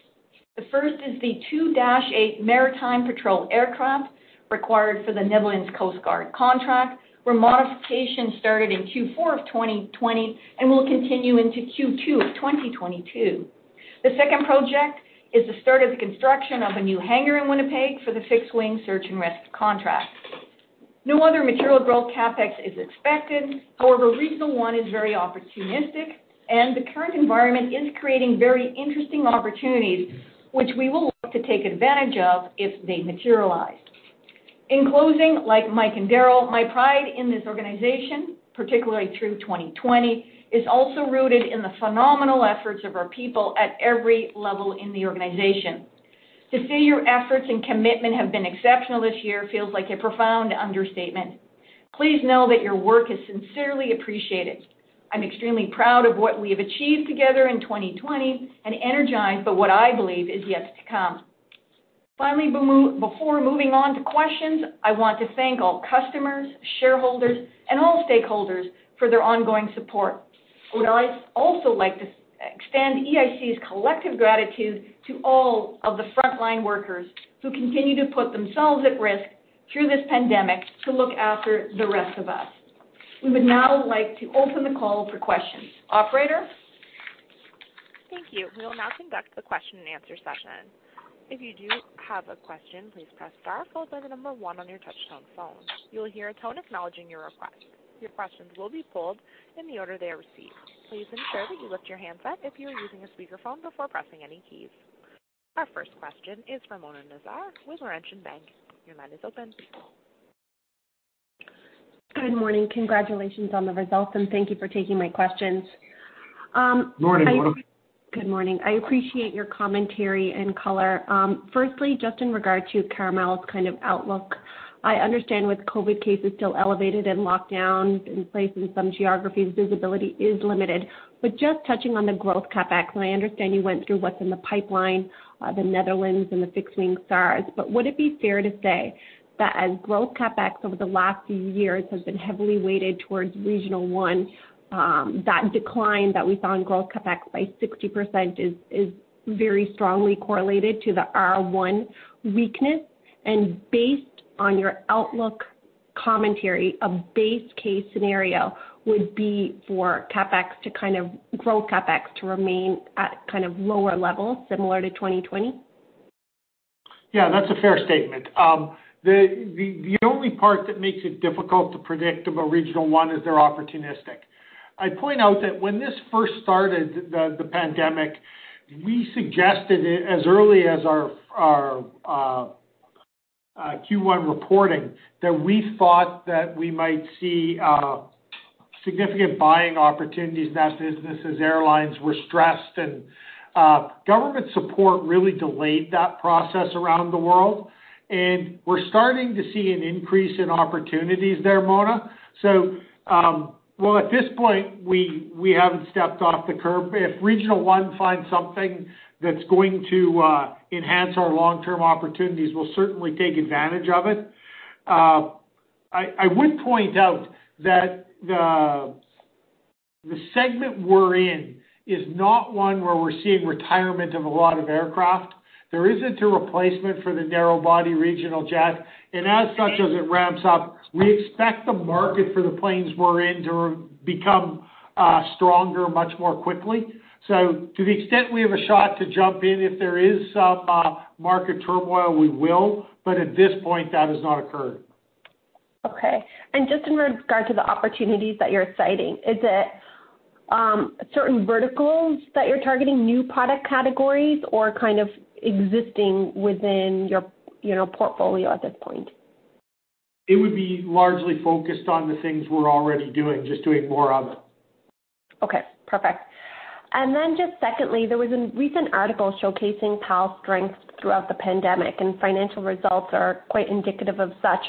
The first is the Dash 8 Maritime Patrol Aircraft required for the Netherlands Coastguard contract, where modifications started in Q4 of 2020 and will continue into Q2 of 2022. The second project is the start of the construction of a new hangar in Winnipeg for the Fixed-Wing Search and Rescue contract. No other material growth CapEx is expected. However, Regional One is very opportunistic, and the current environment is creating very interesting opportunities, which we will look to take advantage of if they materialize. In closing, like Mike and Darryl, my pride in this organization, particularly through 2020, is also rooted in the phenomenal efforts of our people at every level in the organization. To say your efforts and commitment have been exceptional this year feels like a profound understatement. Please know that your work is sincerely appreciated. I'm extremely proud of what we have achieved together in 2020 and energized by what I believe is yet to come. Finally, before moving on to questions, I want to thank all customers, shareholders, and all stakeholders for their ongoing support. Would I also like to extend EIC's collective gratitude to all of the frontline workers who continue to put themselves at risk through this pandemic to look after the rest of us. We would now like to open the call for questions. Operator? Thank you. We will now conduct the question-and-answer session. If you do have a question, please press star followed by the number one on your touch-tone phone. You will hear a tone acknowledging your request. Your questions will be pulled in the order they are received. Please ensure that you lift your handset if you are using a speakerphone before pressing any keys. Our first question is from Mona Nazir with Laurentian Bank. Your line is open. Good morning. Congratulations on the results, and thank you for taking my questions. Morning, Mona. Good morning. I appreciate your commentary and color. Firstly, just in regard to Carmele's outlook, I understand with COVID-19 cases still elevated and lockdowns in place in some geographies, visibility is limited. Just touching on the growth CapEx, and I understand you went through what's in the pipeline, the Netherlands and the Fixed-Wing SARs, but would it be fair to say that as growth CapEx over the last few years has been heavily weighted towards Regional One, that decline that we saw in growth CapEx by 60% is very strongly correlated to the R1 weakness? Based on your outlook commentary, a base case scenario would be for growth CapEx to remain at lower levels similar to 2020? Yeah, that's a fair statement. The only part that makes it difficult to predict about Regional One is they're opportunistic. I'd point out that when this first started, the pandemic, we suggested it as early as our Q1 reporting that we thought that we might see significant buying opportunities in that business as airlines were stressed, and government support really delayed that process around the world. We're starting to see an increase in opportunities there, Mona. Well, at this point, we haven't stepped off the curb. If Regional One finds something that's going to enhance our long-term opportunities, we'll certainly take advantage of it. I would point out that the segment we're in is not one where we're seeing retirement of a lot of aircraft. There isn't a replacement for the narrow-body regional jet, and as such as it ramps up, we expect the market for the planes we're in to become stronger much more quickly. To the extent we have a shot to jump in if there is some market turmoil, we will, but at this point, that has not occurred. Okay. Just in regard to the opportunities that you're citing, is it certain verticals that you're targeting, new product categories, or kind of existing within your portfolio at this point? It would be largely focused on the things we're already doing, just doing more of it. Okay, perfect. Then just secondly, there was a recent article showcasing PAL's strength throughout the pandemic, and financial results are quite indicative of such.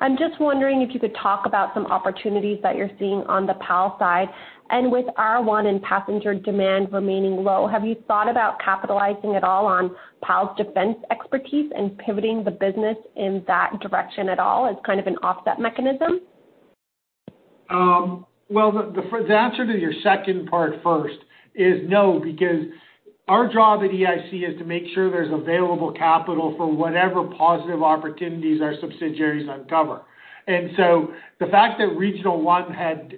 I'm just wondering if you could talk about some opportunities that you're seeing on the PAL side. With R1 and passenger demand remaining low, have you thought about capitalizing at all on PAL's defense expertise and pivoting the business in that direction at all as kind of an offset mechanism? Well, the answer to your second part first is no, because our job at EIC is to make sure there's available capital for whatever positive opportunities our subsidiaries uncover. The fact that Regional One had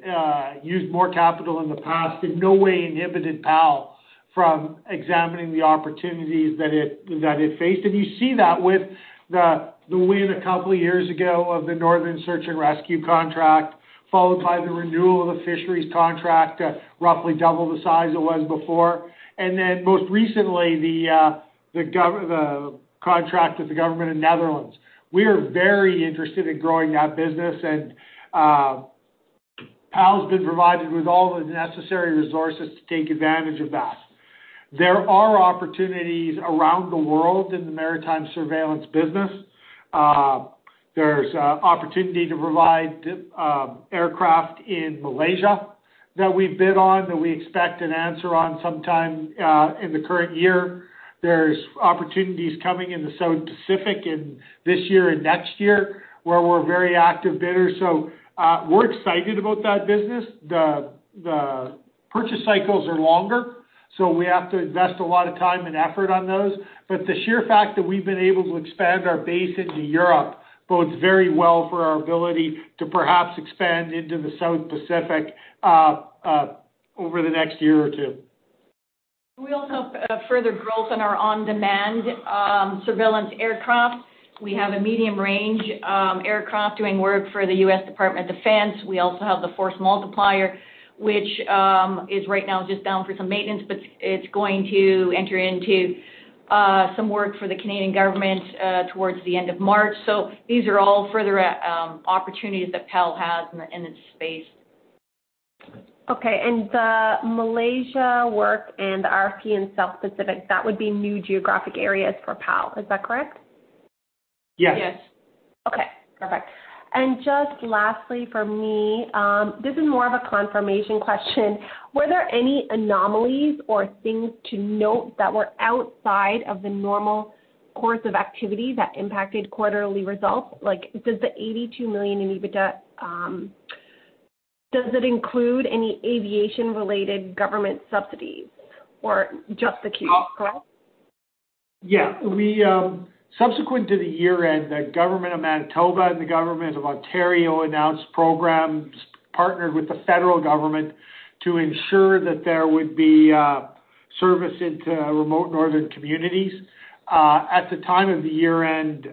used more capital in the past in no way inhibited PAL from examining the opportunities that it faced. You see that with the win a couple of years ago of the Northern Search and Rescue contract, followed by the renewal of the Fisheries contract at roughly double the size it was before, and then most recently, the contract with the government of Netherlands. We are very interested in growing that business. PAL's been provided with all the necessary resources to take advantage of that. There are opportunities around the world in the maritime surveillance business. There's opportunity to provide aircraft in Malaysia that we've bid on, that we expect an answer on sometime in the current year. There's opportunities coming in the South Pacific in this year and next year, where we're very active bidders. We're excited about that business. The purchase cycles are longer, so we have to invest a lot of time and effort on those. The sheer fact that we've been able to expand our base into Europe bodes very well for our ability to perhaps expand into the South Pacific over the next year or two. We also have further growth in our on-demand surveillance aircraft. We have a medium-range aircraft doing work for the U.S. Department of Defense. We also have the Force Multiplier, which is right now just down for some maintenance, but it's going to enter into some work for the Canadian government towards the end of March. These are all further opportunities that PAL has in its space. Okay, the Malaysia work and the RFP in South Pacific, that would be new geographic areas for PAL. Is that correct? Yes. Yes. Okay, perfect. Just lastly from me, this is more of a confirmation question. Were there any anomalies or things to note that were outside of the normal course of activity that impacted quarterly results? Like does the 82 million in EBITDA include any aviation related government subsidies or just the Q, correct? Yeah. Subsequent to the year-end, the Government of Manitoba and the Government of Ontario announced programs partnered with the federal government to ensure that there would be service into remote northern communities. At the time of the year-end,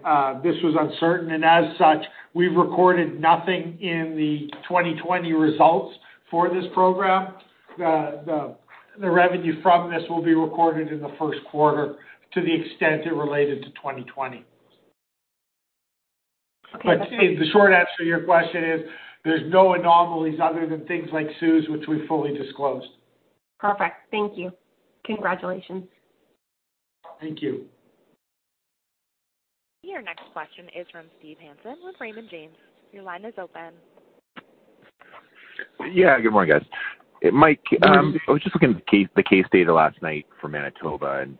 this was uncertain, and as such, we've recorded nothing in the 2020 results for this program. The revenue from this will be recorded in the first quarter to the extent it related to 2020. Okay. The short answer to your question is there's no anomalies other than things like CEWS, which we fully disclosed. Perfect. Thank you. Congratulations. Thank you. Your next question is from Steve Hansen with Raymond James. Your line is open. Yeah, good morning, guys. Mike, I was just looking at the case data last night for Manitoba, and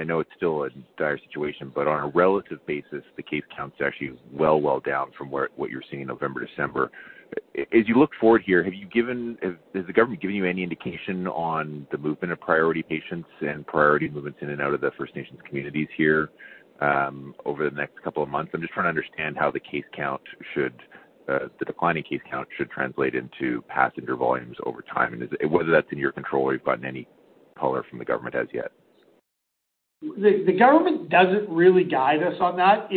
I know it's still a dire situation, but on a relative basis, the case count's actually well down from what you were seeing in November, December. As you look forward here, has the government given you any indication on the movement of priority patients and priority movements in and out of the First Nations communities here over the next couple of months? I'm just trying to understand how the declining case count should translate into passenger volumes over time, and whether that's in your control or you've gotten any color from the government as yet. The government doesn't really guide us on that.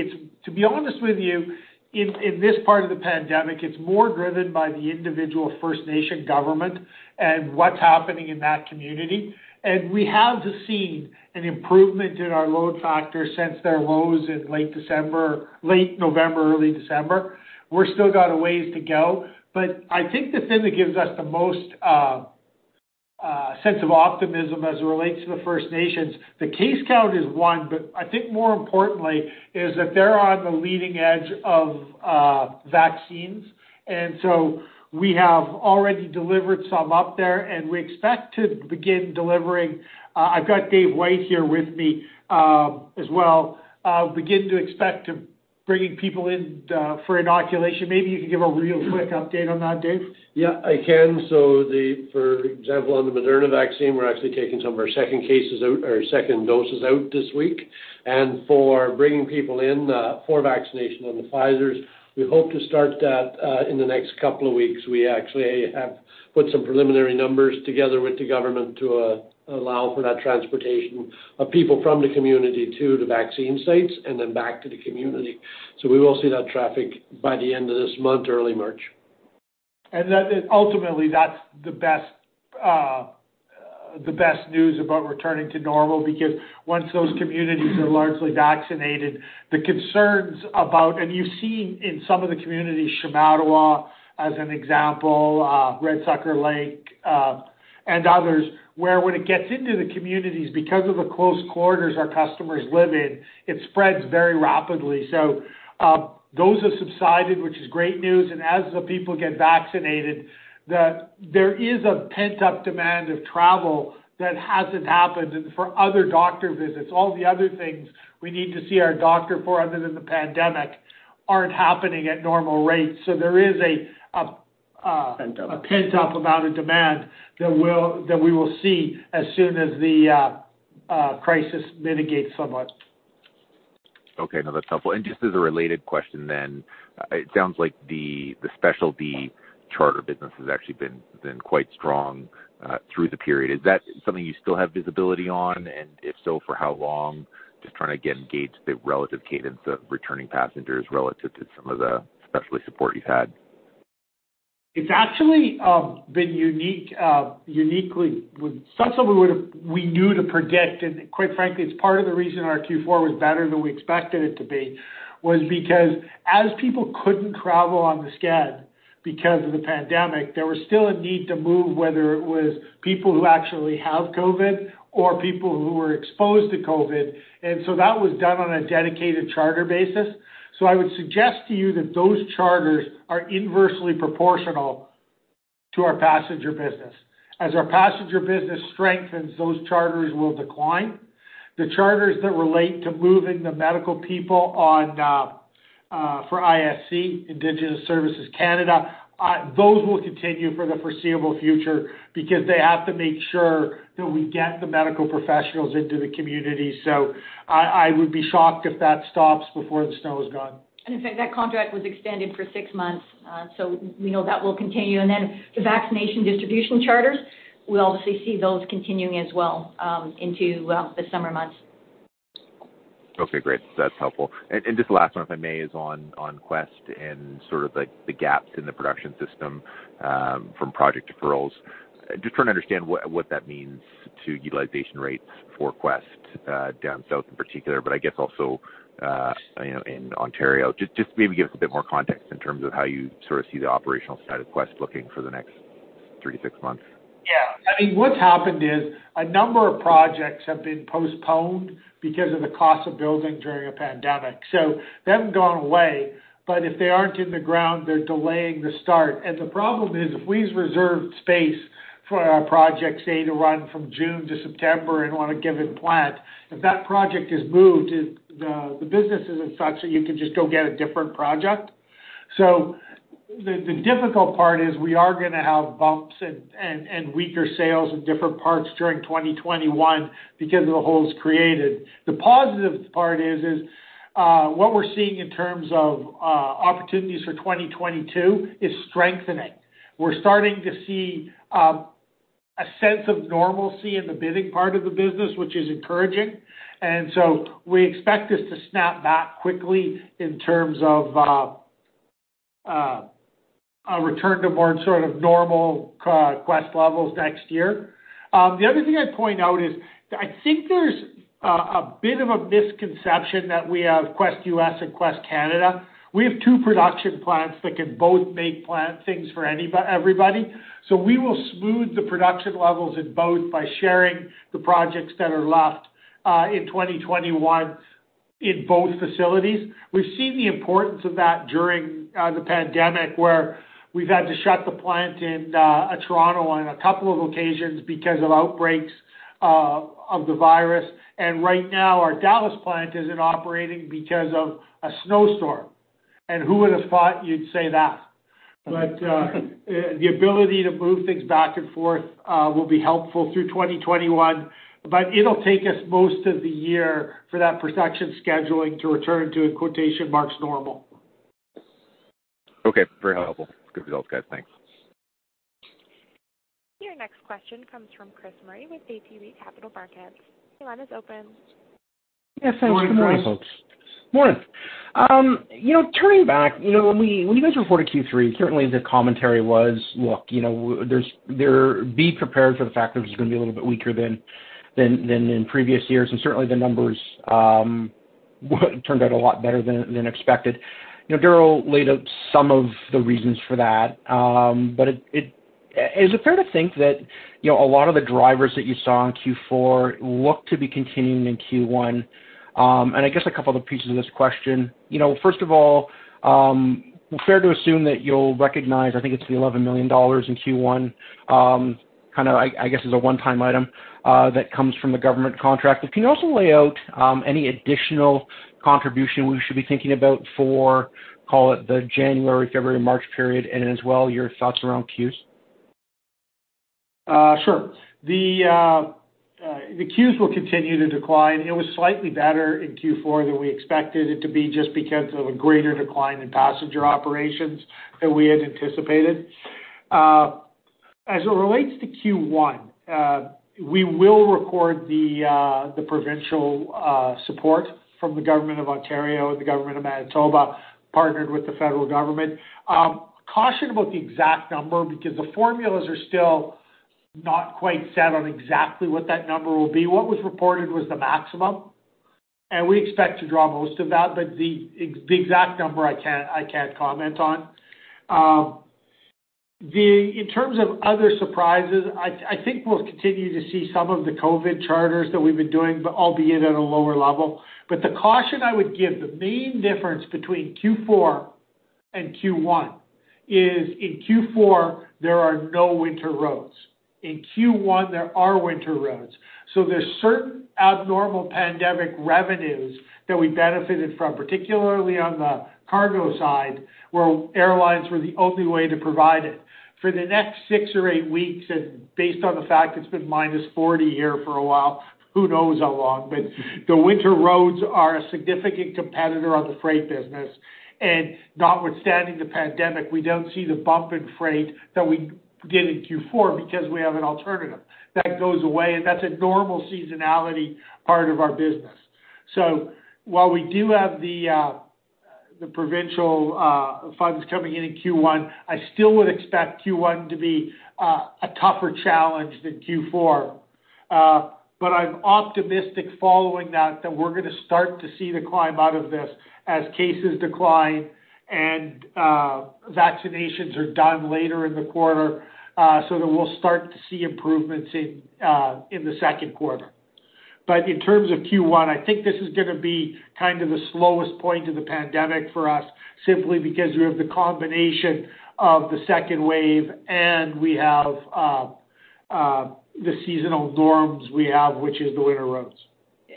To be honest with you, in this part of the pandemic, it's more driven by the individual First Nation government and what's happening in that community, and we have seen an improvement in our load factor since their lows in late November, early December. We've still got a ways to go, but I think the thing that gives us the most sense of optimism as it relates to the First Nations, the case count is one, but I think more importantly is that they're on the leading edge of vaccines. We have already delivered some up there, I've got David White here with me as well. Begin to expect to bringing people in for inoculation. Maybe you could give a real quick update on that, Dave. Yeah, I can. For example, on the Moderna vaccine, we're actually taking some of our second doses out this week. For bringing people in for vaccination on the Pfizer, we hope to start that in the next couple of weeks. We actually have put some preliminary numbers together with the government to allow for that transportation of people from the community to the vaccine sites and then back to the community. We will see that traffic by the end of this month or early March. Ultimately, that's the best news about returning to normal because once those communities are largely vaccinated, the concerns about, and you've seen in some of the communities, Shamattawa as an example, Red Sucker Lake, and others, where when it gets into the communities, because of the close quarters our customers live in, it spreads very rapidly. Those have subsided, which is great news, and as the people get vaccinated, there is a pent-up demand of travel that hasn't happened for other doctor visits. All the other things we need to see our doctor for other than the pandemic aren't happening at normal rates. Pent-up a pent-up amount of demand that we will see as soon as the crisis mitigates somewhat. Okay. No, that's helpful. Just as a related question, it sounds like the specialty charter business has actually been quite strong through the period. Is that something you still have visibility on, and if so, for how long? Just trying to again gauge the relative cadence of returning passengers relative to some of the specialty support you've had. It's actually been uniquely something we knew to predict, and quite frankly, it's part of the reason our Q4 was better than we expected it to be, was because as people couldn't travel on the sched because of the pandemic, there was still a need to move, whether it was people who actually have COVID or people who were exposed to COVID. That was done on a dedicated charter basis. I would suggest to you that those charters are inversely proportional to our passenger business. As our passenger business strengthens, those charters will decline. The charters that relate to moving the medical people for ISC, Indigenous Services Canada, those will continue for the foreseeable future because they have to make sure that we get the medical professionals into the community. I would be shocked if that stops before the snow is gone. In fact, that contract was extended for six months. We know that will continue. Then the vaccination distribution charters, we'll obviously see those continuing as well into the summer months. Okay, great. That's helpful. Just the last one, if I may, is on Quest and sort of the gaps in the production system from project deferrals. Just trying to understand what that means to utilization rates for Quest down south in particular, but I guess also in Ontario. Just maybe give us a bit more context in terms of how you sort of see the operational side of Quest looking for the next three to six months. I mean, what's happened is a number of projects have been postponed because of the cost of building during a pandemic. They haven't gone away, but if they aren't in the ground, they're delaying the start. The problem is, if we've reserved space for our project, say to run from June to September on a given plant, if that project is moved, the business isn't such that you can just go get a different project. The difficult part is we are going to have bumps and weaker sales in different parts during 2021 because of the holes created. The positive part is what we're seeing in terms of opportunities for 2022 is strengthening. We're starting to see a sense of normalcy in the bidding part of the business, which is encouraging. We expect this to snap back quickly in terms of a return to more sort of normal Quest levels next year. The other thing I'd point out is I think there's a bit of a misconception that we have Quest U.S. and Quest Canada. We have two production plants that can both make things for everybody. We will smooth the production levels in both by sharing the projects that are left in 2021 in both facilities. We've seen the importance of that during the pandemic, where we've had to shut the plant in Toronto on a couple of occasions because of outbreaks of the virus. Right now our Dallas plant isn't operating because of a snowstorm. Who would have thought you'd say that? The ability to move things back and forth will be helpful through 2021, but it'll take us most of the year for that production scheduling to return to, in quotation marks, "normal." Okay, very helpful. Good results, guys. Thanks. Your next question comes from Chris Murray with ATB Capital Markets. Your line is open. Yes, thanks. Good morning, folks. Morning, Chris. Morning. Turning back, when you guys reported Q3, certainly the commentary was, look, be prepared for the fact that it was going to be a little bit weaker than in previous years, and certainly the numbers turned out a lot better than expected. Darryl laid out some of the reasons for that. Is it fair to think that a lot of the drivers that you saw in Q4 look to be continuing in Q1? I guess a couple other pieces of this question. First of all, fair to assume that you'll recognize, I think it's the 11 million dollars in Q1, kind of, I guess, as a one-time item that comes from the government contract. Can you also lay out any additional contribution we should be thinking about for, call it the January, February, March period, and as well, your thoughts around CEWs? Sure. The Q's will continue to decline. It was slightly better in Q4 than we expected it to be just because of a greater decline in passenger operations than we had anticipated. As it relates to Q1, we will record the provincial support from the Government of Ontario and the Government of Manitoba partnered with the federal government. Caution about the exact number because the formulas are still not quite set on exactly what that number will be. What was reported was the maximum, and we expect to draw most of that, but the exact number I can't comment on. In terms of other surprises, I think we'll continue to see some of the COVID charters that we've been doing, but albeit at a lower level. The caution I would give, the main difference between Q4 and Q1 is in Q4, there are no winter roads. In Q1, there are winter roads. There's certain abnormal pandemic revenues that we benefited from, particularly on the cargo side, where airlines were the only way to provide it. For the next six or eight weeks, and based on the fact it's been -40 here for a while, who knows how long, but the winter roads are a significant competitor on the freight business. Notwithstanding the pandemic, we don't see the bump in freight that we get in Q4 because we have an alternative. That goes away, and that's a normal seasonality part of our business. While we do have the provincial funds coming in in Q1, I still would expect Q1 to be a tougher challenge than Q4. I'm optimistic following that we're going to start to see the climb out of this as cases decline and vaccinations are done later in the quarter, so that we'll start to see improvements in the second quarter. In terms of Q1, I think this is going to be the slowest point of the pandemic for us, simply because we have the combination of the second wave and we have the seasonal norms we have, which is the winter roads.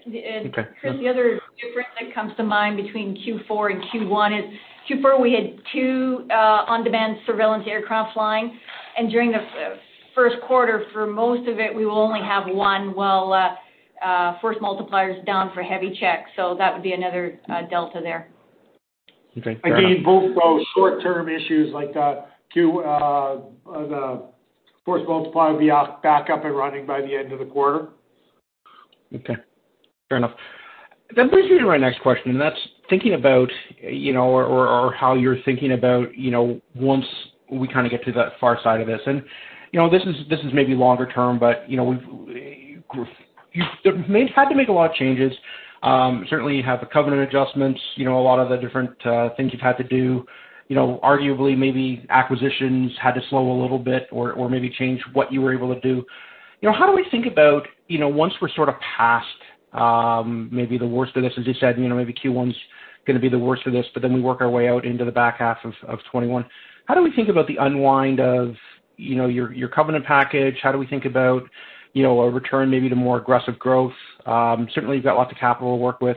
Okay. Chris, the other difference that comes to mind between Q4 and Q1 is Q4, we had two on-demand surveillance aircraft flying, and during the first quarter, for most of it, we will only have one while Force Multiplier's down for heavy checks. That would be another delta there. Okay, fair enough. Both those short-term issues, like the Force Multiplier will be back up and running by the end of the quarter. Okay. Fair enough. That brings me to my next question, and that's thinking about or how you're thinking about once we get to that far side of this. This is maybe longer term, but you've had to make a lot of changes. Certainly you have the covenant adjustments, a lot of the different things you've had to do. Arguably, maybe acquisitions had to slow a little bit or maybe change what you were able to do. How do we think about once we're past maybe the worst of this, as you said, maybe Q1's going to be the worst of this, but then we work our way out into the back half of 2021. How do we think about the unwind of your covenant package? How do we think about a return maybe to more aggressive growth? Certainly, you've got lots of capital to work with.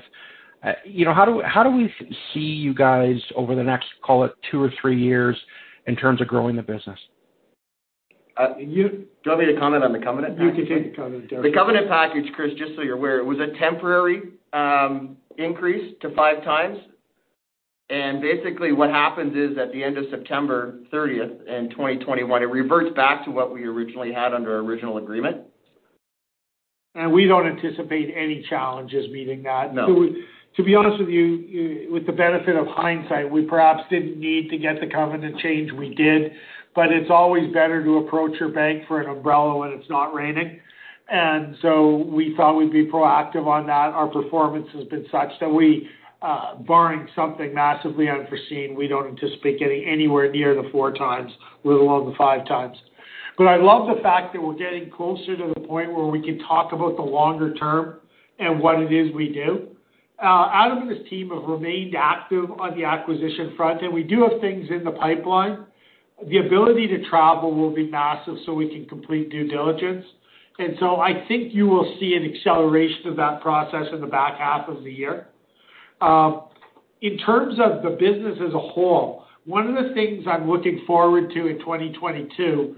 How do we see you guys over the next, call it two or three years, in terms of growing the business? Do you want me to comment on the covenant package? You can take the covenant. The covenant package, Chris, just so you're aware, it was a temporary increase to 5x. Basically what happens is at the end of September 30th in 2021, it reverts back to what we originally had under our original agreement. We don't anticipate any challenges meeting that. To be honest with you, with the benefit of hindsight, we perhaps didn't need to get the covenant change we did, but it's always better to approach your bank for an umbrella when it's not raining. We thought we'd be proactive on that. Our performance has been such that we, barring something massively unforeseen, we don't anticipate getting anywhere near the 4x, let alone the 5x. I love the fact that we're getting closer to the point where we can talk about the longer term and what it is we do. Adam and his team have remained active on the acquisition front, and we do have things in the pipeline. The ability to travel will be massive, so we can complete due diligence. I think you will see an acceleration of that process in the back half of the year. In terms of the business as a whole, one of the things I'm looking forward to in 2022,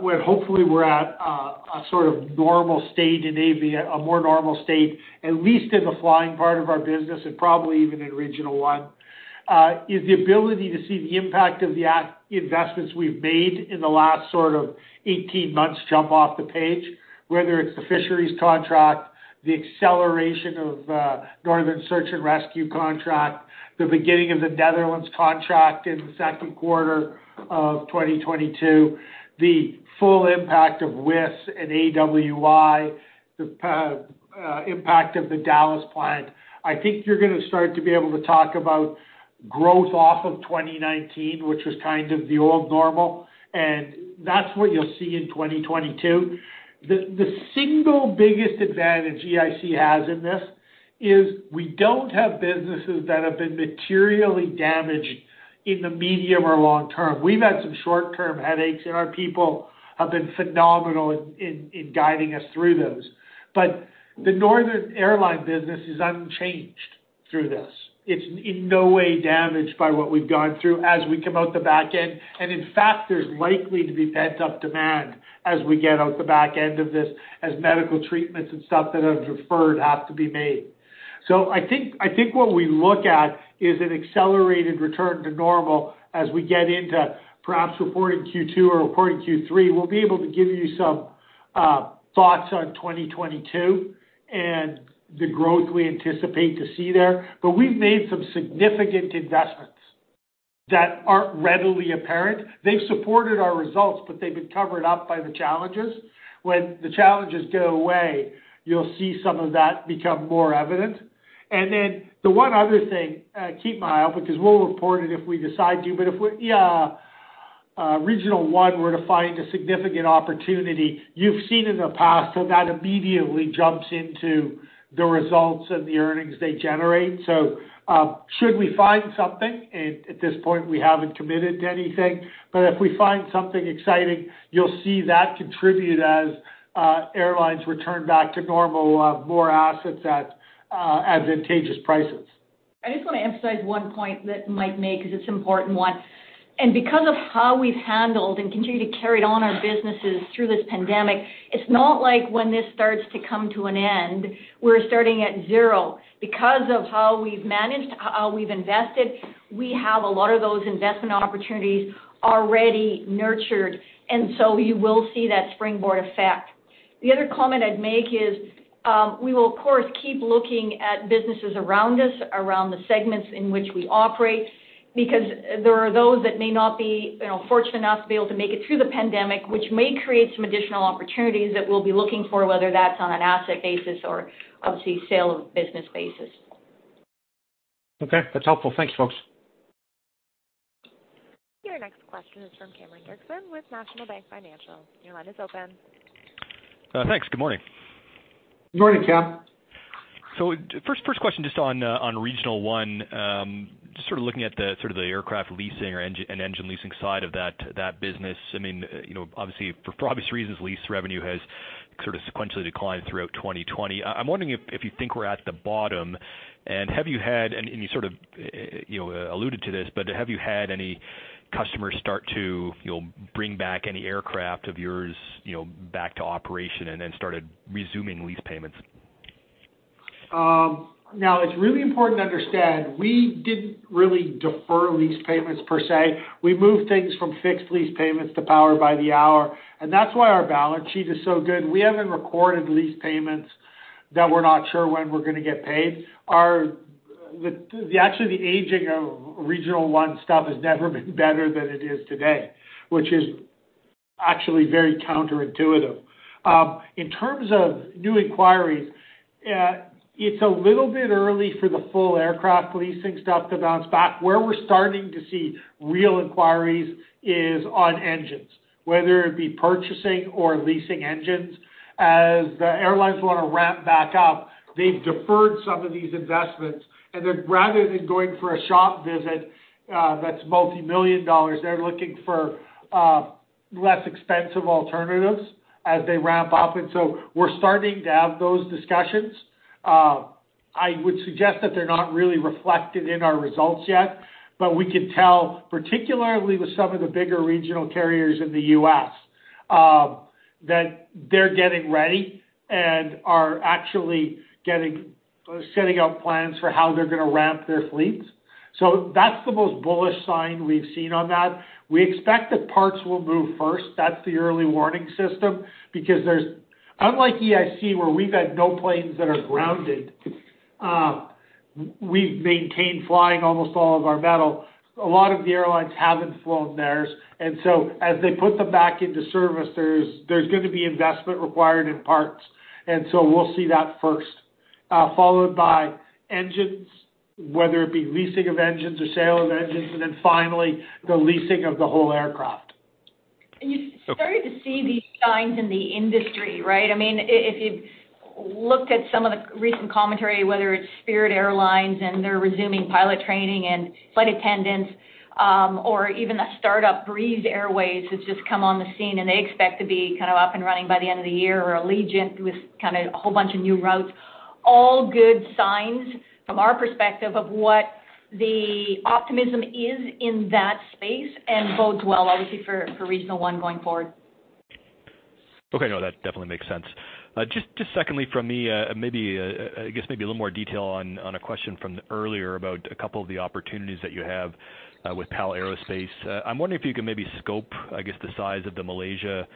when hopefully we're at a sort of normal state in aviation, a more normal state, at least in the flying part of our business and probably even in Regional One, is the ability to see the impact of the investments we've made in the last 18 months jump off the page. Whether it's the fisheries contract, the acceleration of Northern Search and Rescue contract, the beginning of the Netherlands contract in the second quarter of 2022, the full impact of WIS and AWI, the impact of the Dallas plant. I think you're going to start to be able to talk about growth off of 2019, which was kind of the old normal. That's what you'll see in 2022. The single biggest advantage EIC has in this is we don't have businesses that have been materially damaged in the medium or long-term. We've had some short-term headaches. Our people have been phenomenal in guiding us through those. The northern airline business is unchanged through this. It's in no way damaged by what we've gone through as we come out the back end. In fact, there's likely to be pent-up demand as we get out the back end of this as medical treatments and stuff that have deferred have to be made. I think what we look at is an accelerated return to normal as we get into perhaps reporting Q2 or reporting Q3. We'll be able to give you some thoughts on 2022 and the growth we anticipate to see there. We've made some significant investments that aren't readily apparent. They've supported our results, but they've been covered up by the challenges. When the challenges go away, you'll see some of that become more evident. The one other thing, keep my eye out, because we'll report it if we decide to, but if Regional One were to find a significant opportunity, you've seen in the past how that immediately jumps into the results and the earnings they generate. Should we find something, at this point, we haven't committed to anything, but if we find something exciting, you'll see that contribute as airlines return back to normal, more assets at advantageous prices. I just want to emphasize one point that Mike made because it's an important one. Because of how we've handled and continue to carry on our businesses through this pandemic, it's not like when this starts to come to an end, we're starting at zero. Because of how we've managed, how we've invested, we have a lot of those investment opportunities already nurtured, you will see that springboard effect. The other comment I'd make is, we will of course keep looking at businesses around us, around the segments in which we operate, because there are those that may not be fortunate enough to be able to make it through the pandemic, which may create some additional opportunities that we'll be looking for, whether that's on an asset basis or obviously sale of business basis. Okay, that's helpful. Thanks, folks. Your next question is from Cameron Doerksen with National Bank Financial. Your line is open. Thanks. Good morning. Good morning, Cam. First question just on Regional One. Just sort of looking at the aircraft leasing and engine leasing side of that business. Obviously for obvious reasons, lease revenue has sequentially declined throughout 2020. I'm wondering if you think we're at the bottom, and you sort of alluded to this, but have you had any customers start to bring back any aircraft of yours back to operation and then started resuming lease payments? It's really important to understand, we didn't really defer lease payments per se. We moved things from fixed lease payments to power by the hour, and that's why our balance sheet is so good. We haven't recorded lease payments that we're not sure when we're going to get paid. Actually, the aging of Regional One stuff has never been better than it is today, which is actually very counterintuitive. In terms of new inquiries, it's a little bit early for the full aircraft leasing stuff to bounce back. Where we're starting to see real inquiries is on engines, whether it be purchasing or leasing engines. As the airlines want to ramp back up, they've deferred some of these investments, and then rather than going for a shop visit that's multimillion CAD, they're looking for less expensive alternatives as they ramp up. We're starting to have those discussions. I would suggest that they're not really reflected in our results yet, but we can tell particularly with some of the bigger regional carriers in the U.S., that they're getting ready and are actually setting up plans for how they're going to ramp their fleets. That's the most bullish sign we've seen on that. We expect that parts will move first. That's the early warning system, because unlike EIC where we've had no planes that are grounded, we've maintained flying almost all of our metal. A lot of the airlines haven't flown theirs, and so as they put them back into service, there's going to be investment required in parts, and so we'll see that first. Followed by engines, whether it be leasing of engines or sale of engines, and then finally the leasing of the whole aircraft. You're starting to see these signs in the industry, right? If you've looked at some of the recent commentary, whether it's Spirit Airlines and their resuming pilot training and flight attendants, or even a startup, Breeze Airways, has just come on the scene and they expect to be up and running by the end of the year. Allegiant, with a whole bunch of new routes. All good signs from our perspective of what the optimism is in that space and bodes well, obviously, for Regional One going forward. Okay. No, that definitely makes sense. Just secondly from me, I guess maybe a little more detail on a question from earlier about a couple of the opportunities that you have with PAL Aerospace. I'm wondering if you could maybe scope, I guess, the size of the Malaysia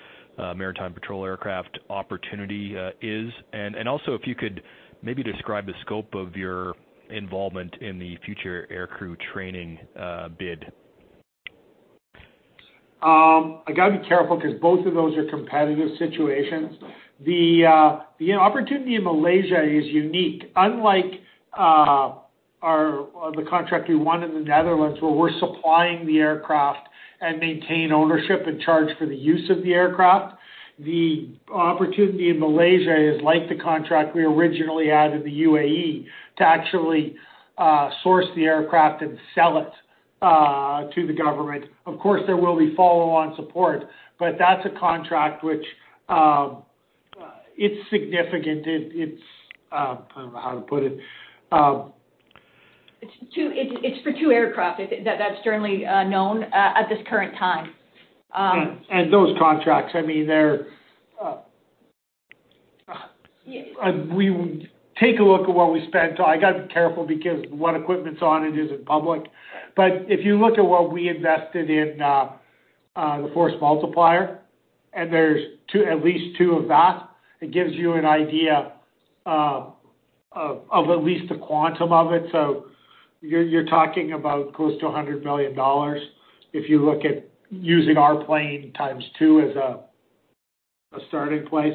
maritime patrol aircraft opportunity is, and also if you could maybe describe the scope of your involvement in the Future Aircrew Training bid. I got to be careful because both of those are competitive situations. The opportunity in Malaysia is unique. Unlike the contract we won in the Netherlands where we're supplying the aircraft and maintain ownership and charge for the use of the aircraft, the opportunity in Malaysia is like the contract we originally had in the UAE to actually source the aircraft and sell it to the government. Of course, there will be follow-on support, but that's a contract which is significant. I don't know how to put it. It's for two aircraft. That's certainly known at this current time. Those contracts, take a look at what we spent. I got to be careful because what equipment's on it isn't public. If you look at what we invested in the Force Multiplier, and there's at least two of that, it gives you an idea of at least the quantum of it. You're talking about close to 100 million dollars if you look at using our plane times two as a starting place.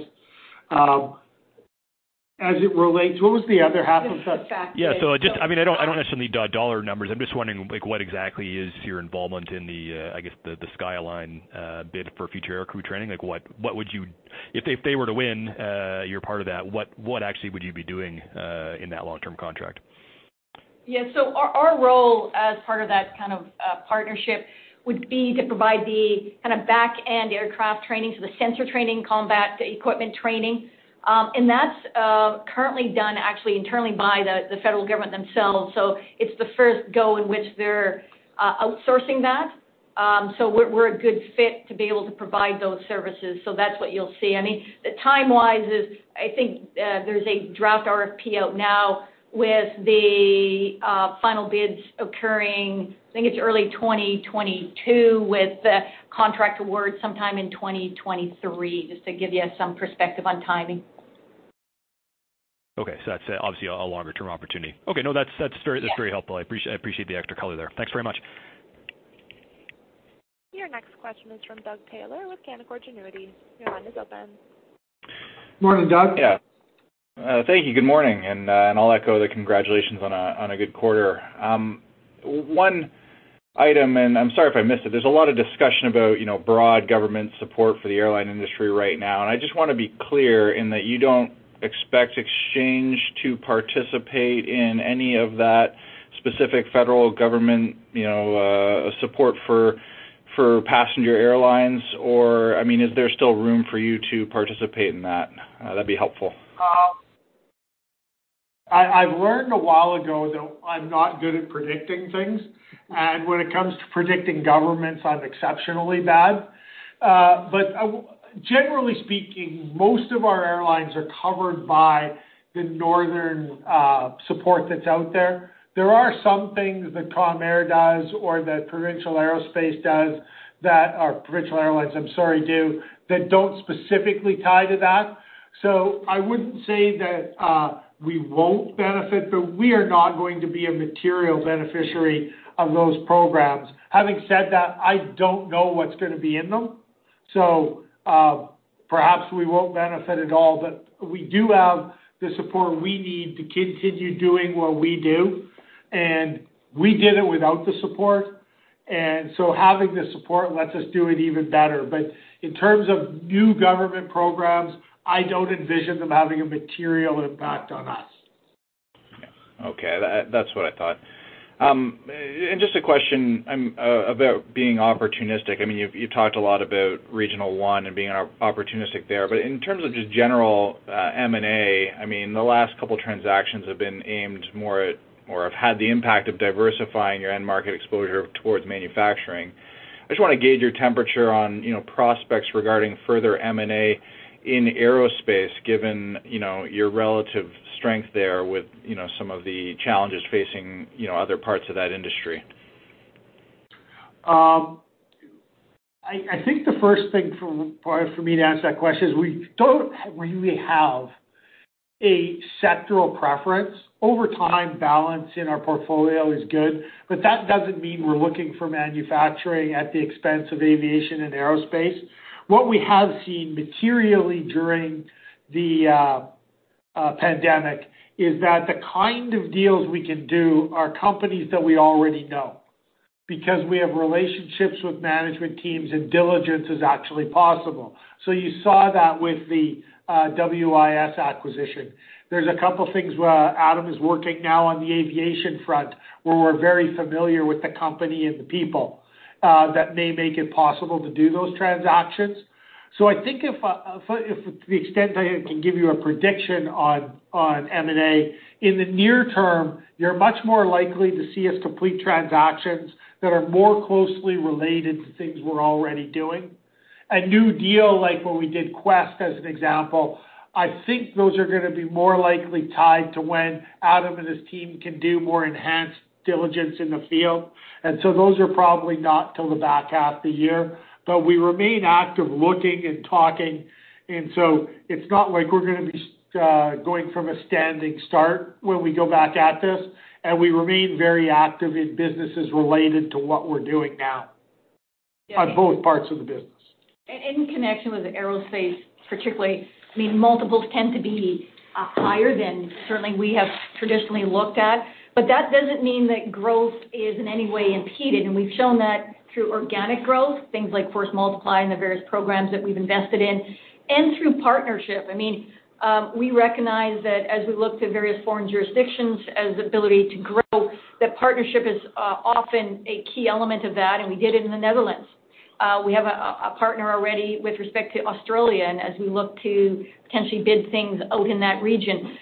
As it relates, what was the other half of that? The fact that- Yeah. Just, I don't necessarily need dollar numbers. I'm just wondering what exactly is your involvement in the, I guess the SkyAlyne bid for Future Aircrew Training. If they were to win, you're part of that, what actually would you be doing in that long-term contract? Yeah. Our role as part of that partnership would be to provide the back-end aircraft training, so the sensor training, combat equipment training. That's currently done actually internally by the federal government themselves, so it's the first go in which they're outsourcing that. We're a good fit to be able to provide those services. That's what you'll see. Time-wise is, I think, there's a draft RFP out now with the final bids occurring, I think it's early 2022 with the contract award sometime in 2023, just to give you some perspective on timing. Okay, that's obviously a longer-term opportunity. Okay, no, that's very helpful. Yeah. I appreciate the extra color there. Thanks very much. Your next question is from Doug Taylor with Canaccord Genuity. Your line is open. Morning, Doug. Yeah. Thank you. Good morning. I'll echo the congratulations on a good quarter. One item. I'm sorry if I missed it. There's a lot of discussion about broad government support for the airline industry right now, and I just want to be clear in that you don't expect Exchange to participate in any of that specific federal government support for passenger airlines. Is there still room for you to participate in that? That'd be helpful. I've learned a while ago that I'm not good at predicting things, and when it comes to predicting governments, I'm exceptionally bad. Generally speaking, most of our airlines are covered by the northern support that's out there. There are some things that Calm Air does or that Provincial Airlines do that don't specifically tie to that. I wouldn't say that we won't benefit, but we are not going to be a material beneficiary of those programs. Having said that, I don't know what's going to be in them. Perhaps we won't benefit at all. We do have the support we need to continue doing what we do, and we did it without the support, and so having the support lets us do it even better. In terms of new government programs, I don't envision them having a material impact on us. Okay. That's what I thought. Just a question about being opportunistic. You've talked a lot about Regional One and being opportunistic there, but in terms of just general M&A, the last couple transactions have been aimed more at, or have had the impact of diversifying your end market exposure towards manufacturing. I just want to gauge your temperature on prospects regarding further M&A in aerospace, given your relative strength there with some of the challenges facing other parts of that industry. I think the first thing for me to answer that question is we don't really have a sectoral preference. Over time, balance in our portfolio is good. That doesn't mean we're looking for manufacturing at the expense of aviation and aerospace. What we have seen materially during the pandemic is that the kind of deals we can do are companies that we already know, because we have relationships with management teams and diligence is actually possible. You saw that with the WIS acquisition. There's a couple things where Adam is working now on the aviation front, where we're very familiar with the company and the people that may make it possible to do those transactions. I think if to the extent I can give you a prediction on M&A, in the near term, you're much more likely to see us complete transactions that are more closely related to things we're already doing. A new deal, like when we did Quest, as an example, I think those are going to be more likely tied to when Adam and his team can do more enhanced diligence in the field. Those are probably not till the back half of the year. We remain active looking and talking, and so it's not like we're going to be going from a standing start when we go back at this, and we remain very active in businesses related to what we're doing now on both parts of the business. In connection with the aerospace particularly, multiples tend to be higher than certainly we have traditionally looked at. That doesn't mean that growth is in any way impeded, and we've shown that through organic growth, things like Force Multiplier and the various programs that we've invested in, and through partnership. We recognize that as we look to various foreign jurisdictions as ability to grow, that partnership is often a key element of that, and we did it in the Netherlands. We have a partner already with respect to Australia and as we look to potentially bid things out in that region.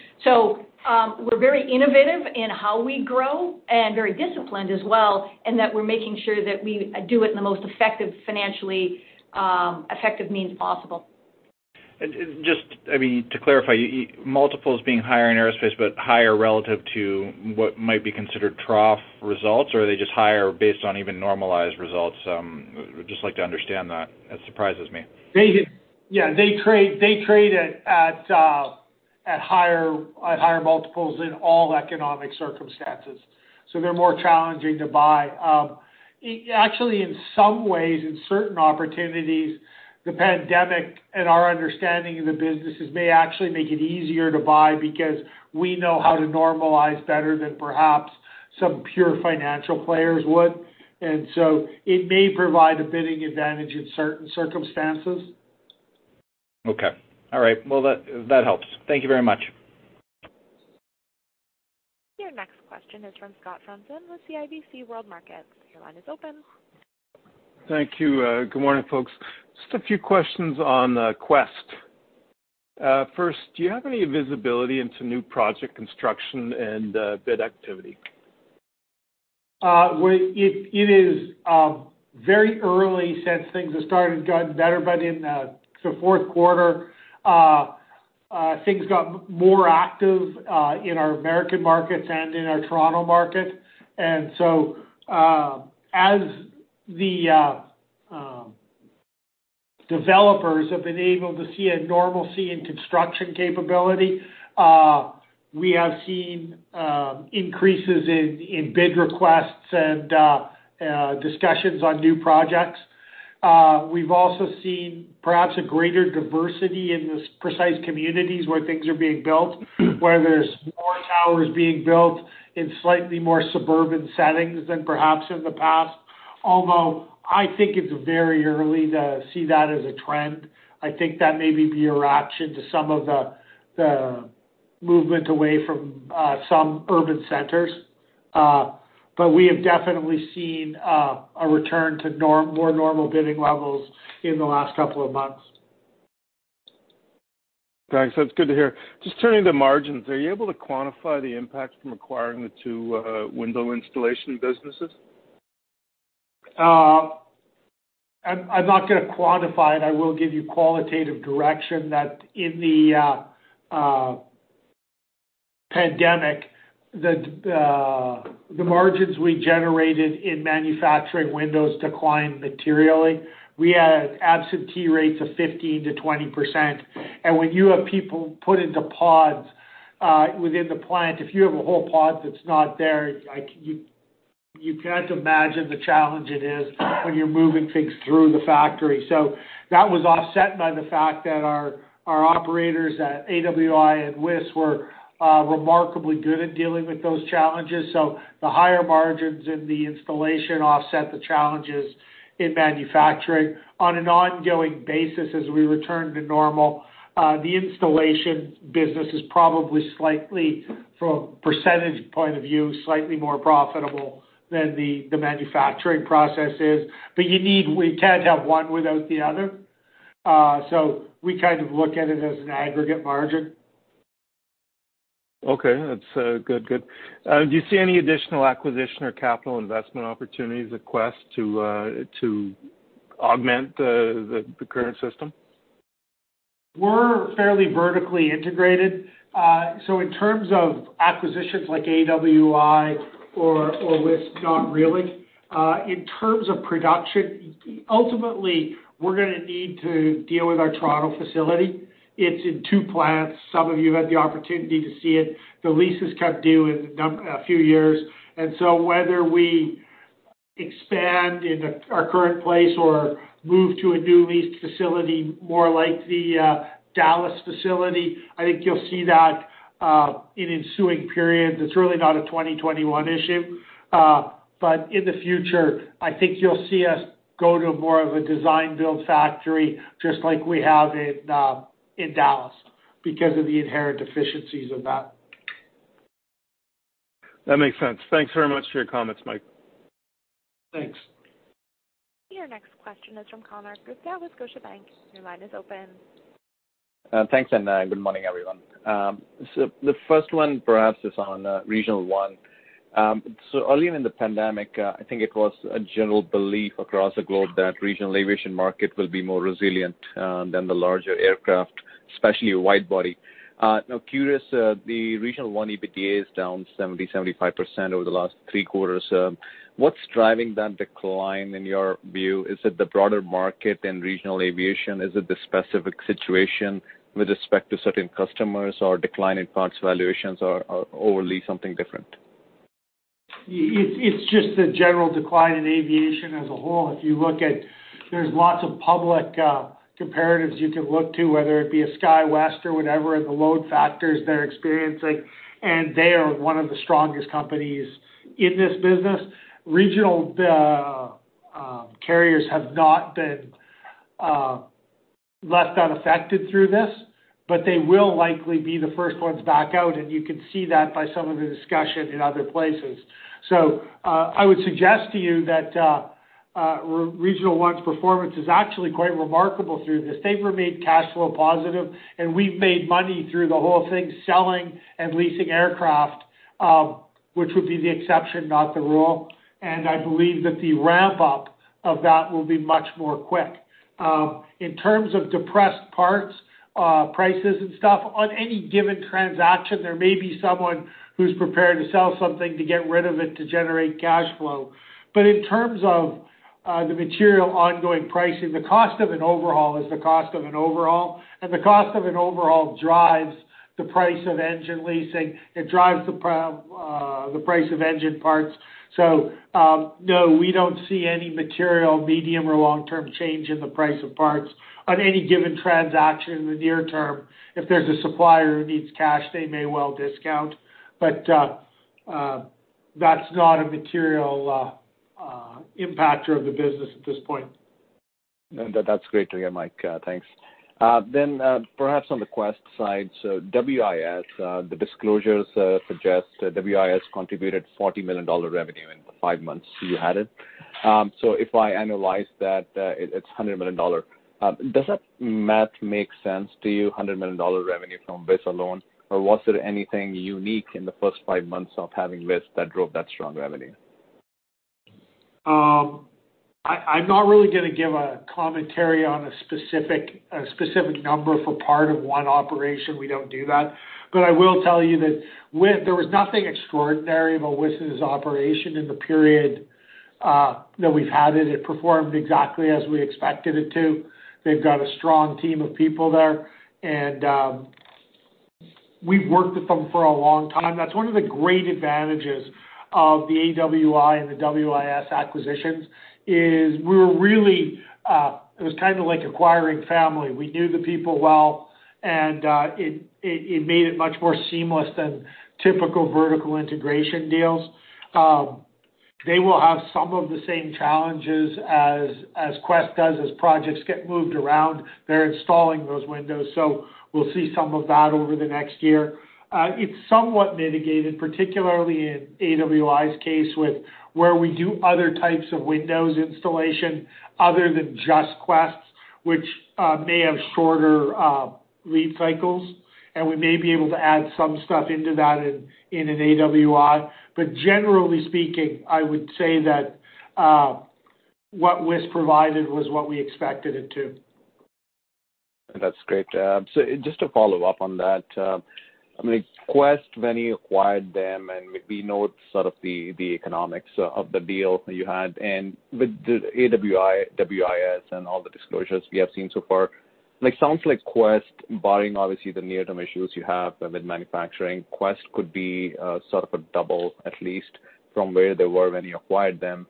We're very innovative in how we grow and very disciplined as well in that we're making sure that we do it in the most financially effective means possible. Just to clarify, multiples being higher in aerospace, but higher relative to what might be considered trough results, or are they just higher based on even normalized results? I would just like to understand that. That surprises me. They trade at higher multiples in all economic circumstances, so they're more challenging to buy. In some ways, in certain opportunities, the pandemic and our understanding of the businesses may actually make it easier to buy because we know how to normalize better than perhaps some pure financial players would. It may provide a bidding advantage in certain circumstances. Okay. All right. Well, that helps. Thank you very much. Your next question is from Scott Frompson with CIBC World Markets. Your line is open. Thank you. Good morning, folks. Just a few questions on Quest. First, do you have any visibility into new project construction and bid activity? It is very early since things have started going better. In the fourth quarter, things got more active in our American markets and in our Toronto market. As the developers have been able to see a normalcy in construction capability. We have seen increases in bid requests and discussions on new projects. We've also seen perhaps a greater diversity in the precise communities where things are being built, where there's more towers being built in slightly more suburban settings than perhaps in the past. I think it's very early to see that as a trend. I think that may be a reaction to some of the movement away from some urban centers. We have definitely seen a return to more normal bidding levels in the last couple of months. Thanks. That's good to hear. Just turning to margins, are you able to quantify the impact from acquiring the two window installation businesses? I'm not going to quantify it. I will give you qualitative direction that in the pandemic, the margins we generated in manufacturing windows declined materially. We had absentee rates of 15%-20%. When you have people put into pods within the plant, if you have a whole pod that's not there, you can't imagine the challenge it is when you're moving things through the factory. That was offset by the fact that our operators at AWI and WIS were remarkably good at dealing with those challenges. The higher margins in the installation offset the challenges in manufacturing. On an ongoing basis, as we return to normal, the installation business is probably slightly, from a percentage point of view, slightly more profitable than the manufacturing process is. We can't have one without the other. We look at it as an aggregate margin. Okay. That's good. Do you see any additional acquisition or capital investment opportunities at Quest to augment the current system? We're fairly vertically integrated. In terms of acquisitions like AWI or WIS, not really. In terms of production, ultimately, we're going to need to deal with our Toronto facility. It's in two plants. Some of you had the opportunity to see it. The lease is cut due in a few years. Whether we expand in our current place or move to a new leased facility, more like the Dallas facility, I think you'll see that in ensuing periods. It's really not a 2021 issue. In the future, I think you'll see us go to more of a design build factory, just like we have in Dallas, because of the inherent efficiencies of that. That makes sense. Thanks very much for your comments, Mike. Thanks. Your next question is from Konark Gupta with Scotiabank. Your line is open. Thanks, good morning, everyone. The first one perhaps is on Regional One. Early on in the pandemic, I think it was a general belief across the globe that regional aviation market will be more resilient than the larger aircraft, especially wide body. Now curious, the Regional One EBITDA is down 70%, 75% over the last three quarters. What's driving that decline in your view? Is it the broader market in regional aviation? Is it the specific situation with respect to certain customers or decline in parts valuations or overall something different? It's just the general decline in aviation as a whole. If you look at, there's lots of public comparatives you could look to, whether it be a SkyWest or whatever, and the load factors they're experiencing. They are one of the strongest companies in this business. Regional carriers have not been left unaffected through this. They will likely be the first ones back out. You can see that by some of the discussion in other places. I would suggest to you that Regional One's performance is actually quite remarkable through this. They've remained cash flow positive. We've made money through the whole thing, selling and leasing aircraft, which would be the exception, not the rule. I believe that the ramp-up of that will be much more quick. In terms of depressed parts, prices and stuff, on any given transaction, there may be someone who's prepared to sell something to get rid of it to generate cash flow. In terms of the material ongoing pricing, the cost of an overhaul is the cost of an overhaul, and the cost of an overhaul drives the price of engine leasing. It drives the price of engine parts. No, we don't see any material, medium or long-term change in the price of parts. On any given transaction in the near term, if there's a supplier who needs cash, they may well discount. That's not a material impactor of the business at this point. That's great to hear, Mike. Thanks. Perhaps on the Quest side, WIS, the disclosures suggest WIS contributed 40 million dollar revenue in the five months you had it. If I annualize that, it's 100 million dollar. Does that math make sense to you, 100 million dollar revenue from WIS alone? Was there anything unique in the first five months of having WIS that drove that strong revenue? I'm not really going to give a commentary on a specific number for part of one operation. We don't do that. I will tell you that there was nothing extraordinary about WIS' operation in the period that we've had it. It performed exactly as we expected it to. They've got a strong team of people there. We've worked with them for a long time. That's one of the great advantages of the AWI and the WIS acquisitions. It was like acquiring family. We knew the people well, and it made it much more seamless than typical vertical integration deals. They will have some of the same challenges as Quest does. As projects get moved around, they're installing those windows, so we'll see some of that over the next year. It's somewhat mitigated, particularly in AWI's case, where we do other types of windows installation other than just Quest's, which may have shorter lead cycles, and we may be able to add some stuff into that in an AWI. Generally speaking, I would say that what WIS provided was what we expected it to. That's great. Just to follow up on that, Quest, when you acquired them, and we know sort of the economics of the deal you had. With AWI, WIS, and all the disclosures we have seen so far, it sounds like Quest, barring obviously the near-term issues you have with manufacturing, Quest could be sort of a double at least from where they were when you acquired them.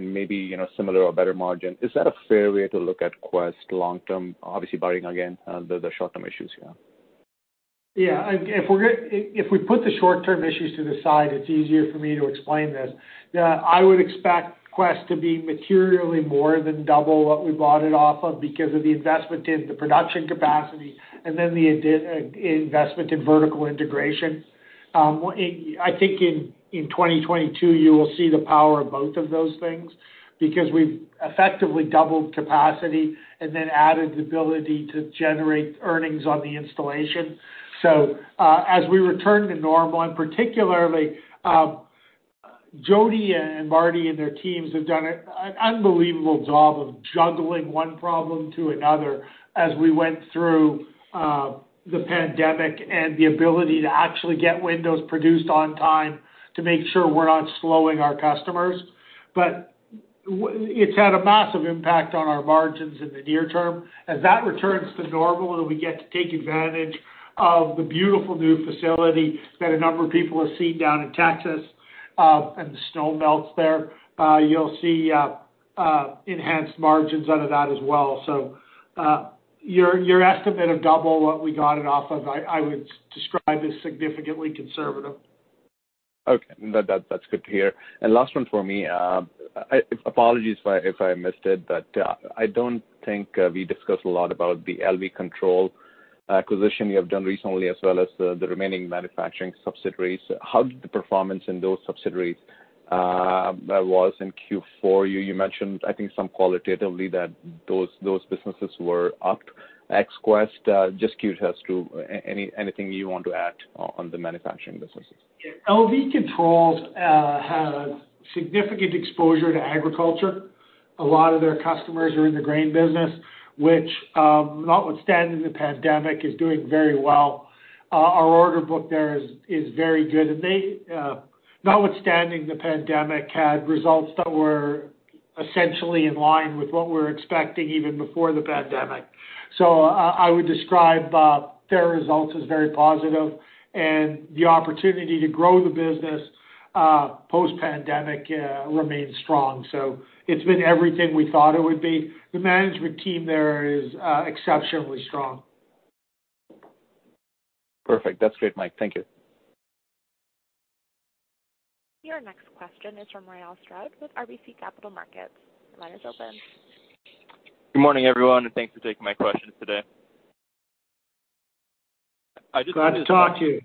Maybe similar or better margin. Is that a fair way to look at Quest long term, obviously barring again, the short-term issues you have? If we put the short-term issues to the side, it's easier for me to explain this. I would expect Quest to be materially more than double what we bought it off of because of the investment in the production capacity and then the investment in vertical integration. I think in 2022, you will see the power of both of those things because we've effectively doubled capacity and then added the ability to generate earnings on the installation. As we return to normal, and particularly Jody and Marty and their teams have done an unbelievable job of juggling one problem to another as we went through the pandemic, and the ability to actually get windows produced on time to make sure we're not slowing our customers. It's had a massive impact on our margins in the near-term. As that returns to normal, and we get to take advantage of the beautiful new facility that a number of people have seen down in Texas, and the snow melts there, you will see enhanced margins out of that as well. Your estimate of double what we got it off of, I would describe as significantly conservative. Okay. That's good to hear. Last one for me. Apologies if I missed it, but I don't think we discussed a lot about the LV Control acquisition you have done recently, as well as the remaining manufacturing subsidiaries. How did the performance in those subsidiaries was in Q4? You mentioned, I think, some qualitatively that those businesses were up. Quest, just curious to anything you want to add on the manufacturing businesses. LV Control had a significant exposure to agriculture. A lot of their customers are in the grain business, which notwithstanding the pandemic, is doing very well. Our order book there is very good and they, notwithstanding the pandemic, had results that were essentially in line with what we were expecting even before the pandemic. I would describe their results as very positive, and the opportunity to grow the business post-pandemic remains strong, so it's been everything we thought it would be. The management team there is exceptionally strong. Perfect. That's great, Mike. Thank you. Your next question is from Walter Spracklin with RBC Capital Markets. Your line is open. Good morning, everyone, and thanks for taking my questions today. Glad to talk to you.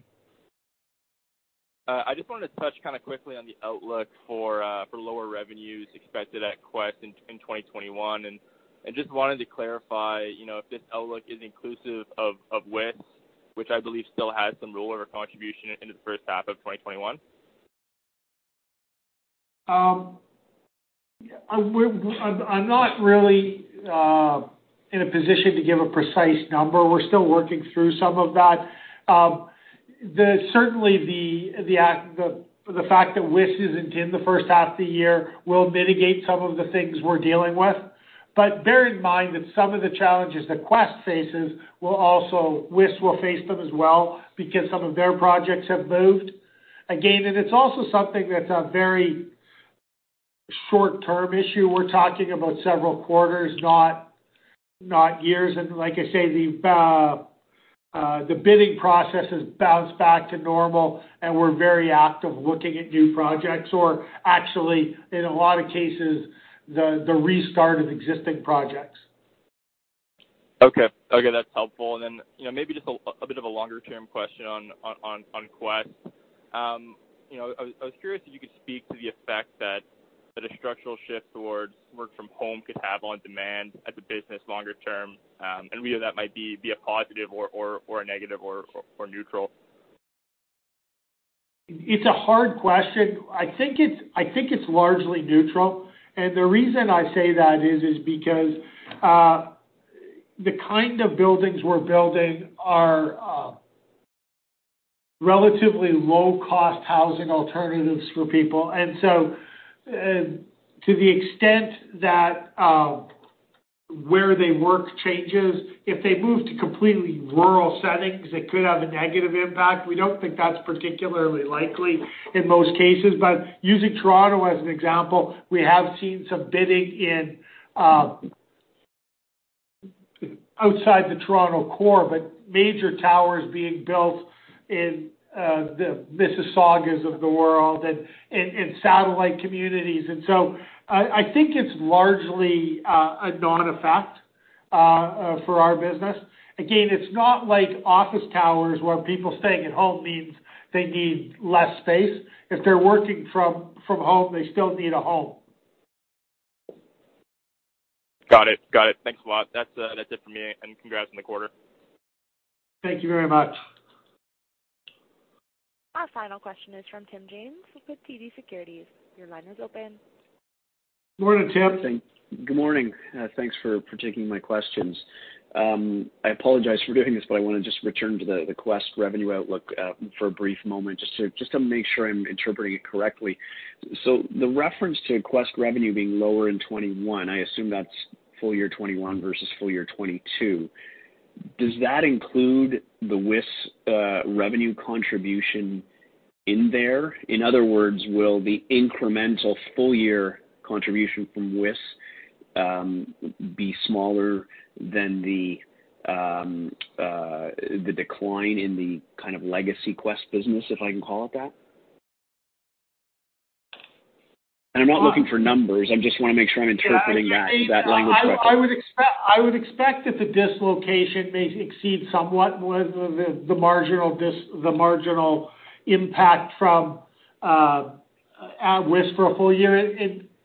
I just wanted to touch kind of quickly on the outlook for lower revenues expected at Quest in 2021, and just wanted to clarify if this outlook is inclusive of WIS, which I believe still has some role or contribution into the first half of 2021? I'm not really in a position to give a precise number. We're still working through some of that. Certainly the fact that WIS isn't in the first half of the year will mitigate some of the things we're dealing with. Bear in mind that some of the challenges that Quest faces, WIS will face them as well because some of their projects have moved. Again, it's also something that's a very short-term issue. We're talking about several quarters, not years. Like I say, the bidding process has bounced back to normal, and we're very active looking at new projects or actually, in a lot of cases, the restart of existing projects. Okay. That's helpful. Then maybe just a bit of a longer-term question on Quest. I was curious if you could speak to the effect that a structural shift towards work from home could have on demand as a business longer term, and whether that might be a positive or a negative or neutral? It's a hard question. I think it's largely neutral. The reason I say that is because the kind of buildings we're building are relatively low cost housing alternatives for people. To the extent that where they work changes, if they move to completely rural settings, it could have a negative impact. We don't think that's particularly likely in most cases. Using Toronto as an example, we have seen some bidding outside the Toronto core, but major towers being built in the Mississauga of the world and in satellite communities. I think it's largely a non-effect for our business. Again, it's not like office towers where people staying at home means they need less space. If they're working from home, they still need a home. Got it. Thanks a lot. That's it from me. Congrats on the quarter. Thank you very much. Our final question is from Tim James with TD Securities. Your line is open. Morning, Tim. Good morning. Thanks for taking my questions. I apologize for doing this, but I want to just return to the Quest revenue outlook for a brief moment, just to make sure I'm interpreting it correctly. The reference to Quest revenue being lower in 2021, I assume that's full-year 2021 versus full-year 2022. Does that include the WISS revenue contribution in there? In other words, will the incremental full-year contribution from WISS be smaller than the decline in the kind of legacy Quest business, if I can call it that? I'm not looking for numbers. I just want to make sure I'm interpreting that language correctly. I would expect that the dislocation may exceed somewhat more than the marginal impact from WISS for a full-year.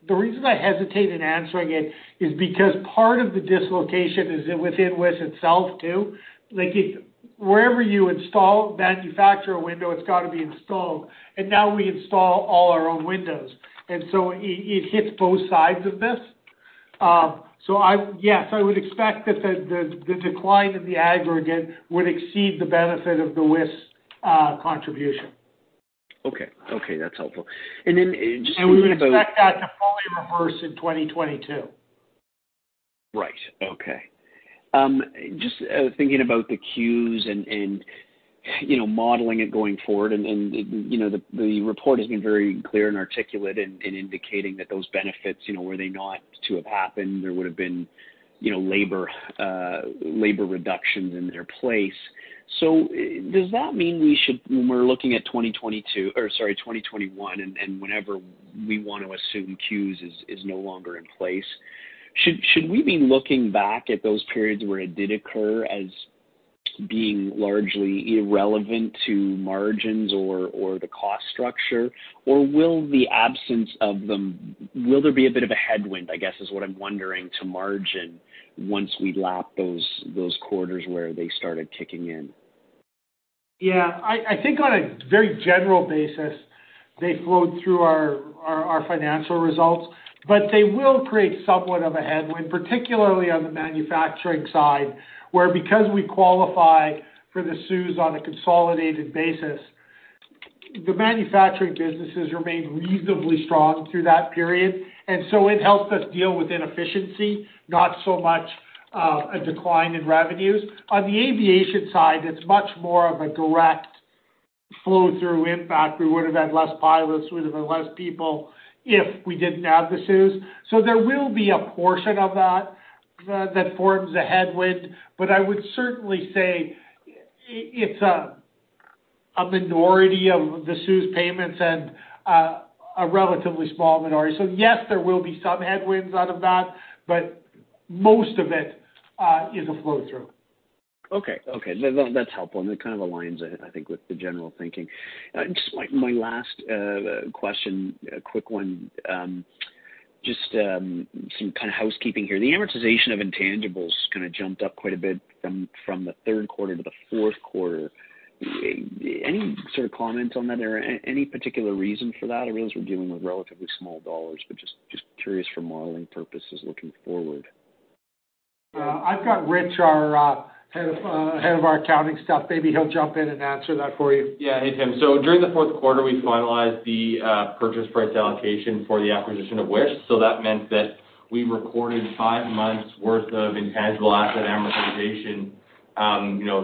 The reason I hesitate in answering it is because part of the dislocation is within WISS itself, too. Wherever you manufacture a window, it's got to be installed, and now we install all our own windows, and so it hits both sides of this. Yes, I would expect that the decline in the aggregate would exceed the benefit of the WISS contribution. Okay. That's helpful. We would expect that to fully reverse in 2022. Right. Okay. Just thinking about the CEWS and modeling it going forward, the report has been very clear and articulate in indicating that those benefits, were they not to have happened, there would've been labor reductions in their place. Does that mean when we're looking at or sorry, 2021, whenever we want to assume CEWS is no longer in place, should we be looking back at those periods where it did occur as being largely irrelevant to margins or the cost structure, or will the absence of them, will there be a bit of a headwind, I guess, is what I'm wondering, to margin once we lap those quarters where they started kicking in? Yeah, I think on a very general basis, they flowed through our financial results. They will create somewhat of a headwind, particularly on the manufacturing side, where because we qualify for the CEWS on a consolidated basis, the manufacturing businesses remain reasonably strong through that period. It helps us deal with inefficiency, not so much a decline in revenues. On the aviation side, it's much more of a direct flow-through impact. We would've had less pilots, we would've had less people if we didn't have the CEWS. There will be a portion of that that forms a headwind. I would certainly say it's a minority of the CEWS payments and a relatively small minority. Yes, there will be some headwinds out of that, but most of it is a flow-through. Okay. That's helpful, and it kind of aligns, I think, with the general thinking. Just my last question, a quick one. Just some kind of housekeeping here. The amortization of intangibles kind of jumped up quite a bit from the third quarter to the fourth quarter. Any sort of comment on that or any particular reason for that? I realize we're dealing with relatively small dollars, but just curious for modeling purposes looking forward. I've got Rich, our head of our accounting staff. Maybe he'll jump in and answer that for you. Yeah. Hey, Tim. During the fourth quarter, we finalized the purchase price allocation for the acquisition of WIS. That meant that we recorded five months worth of intangible asset amortization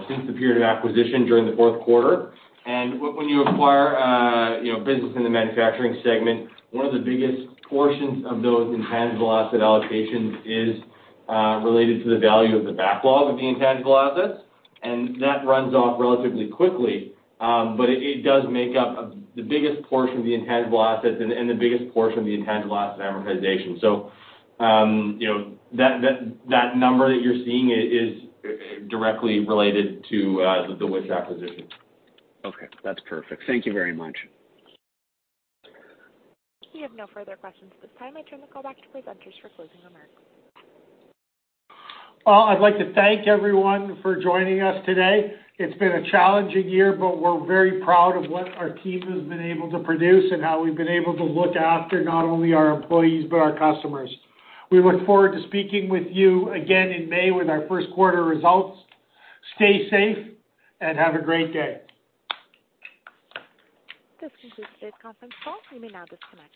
since the period of acquisition during the fourth quarter. When you acquire a business in the manufacturing segment, one of the biggest portions of those intangible asset allocations is related to the value of the backlog of the intangible assets. That runs off relatively quickly. It does make up the biggest portion of the intangible assets and the biggest portion of the intangible asset amortization. That number that you're seeing is directly related to the WIS acquisition. Okay. That's perfect. Thank you very much. We have no further questions at this time. I turn the call back to presenters for closing remarks. Well, I'd like to thank everyone for joining us today. It's been a challenging year, but we're very proud of what our team has been able to produce and how we've been able to look after not only our employees, but our customers. We look forward to speaking with you again in May with our first quarter results. Stay safe and have a great day. This concludes today's conference call. You may now disconnect.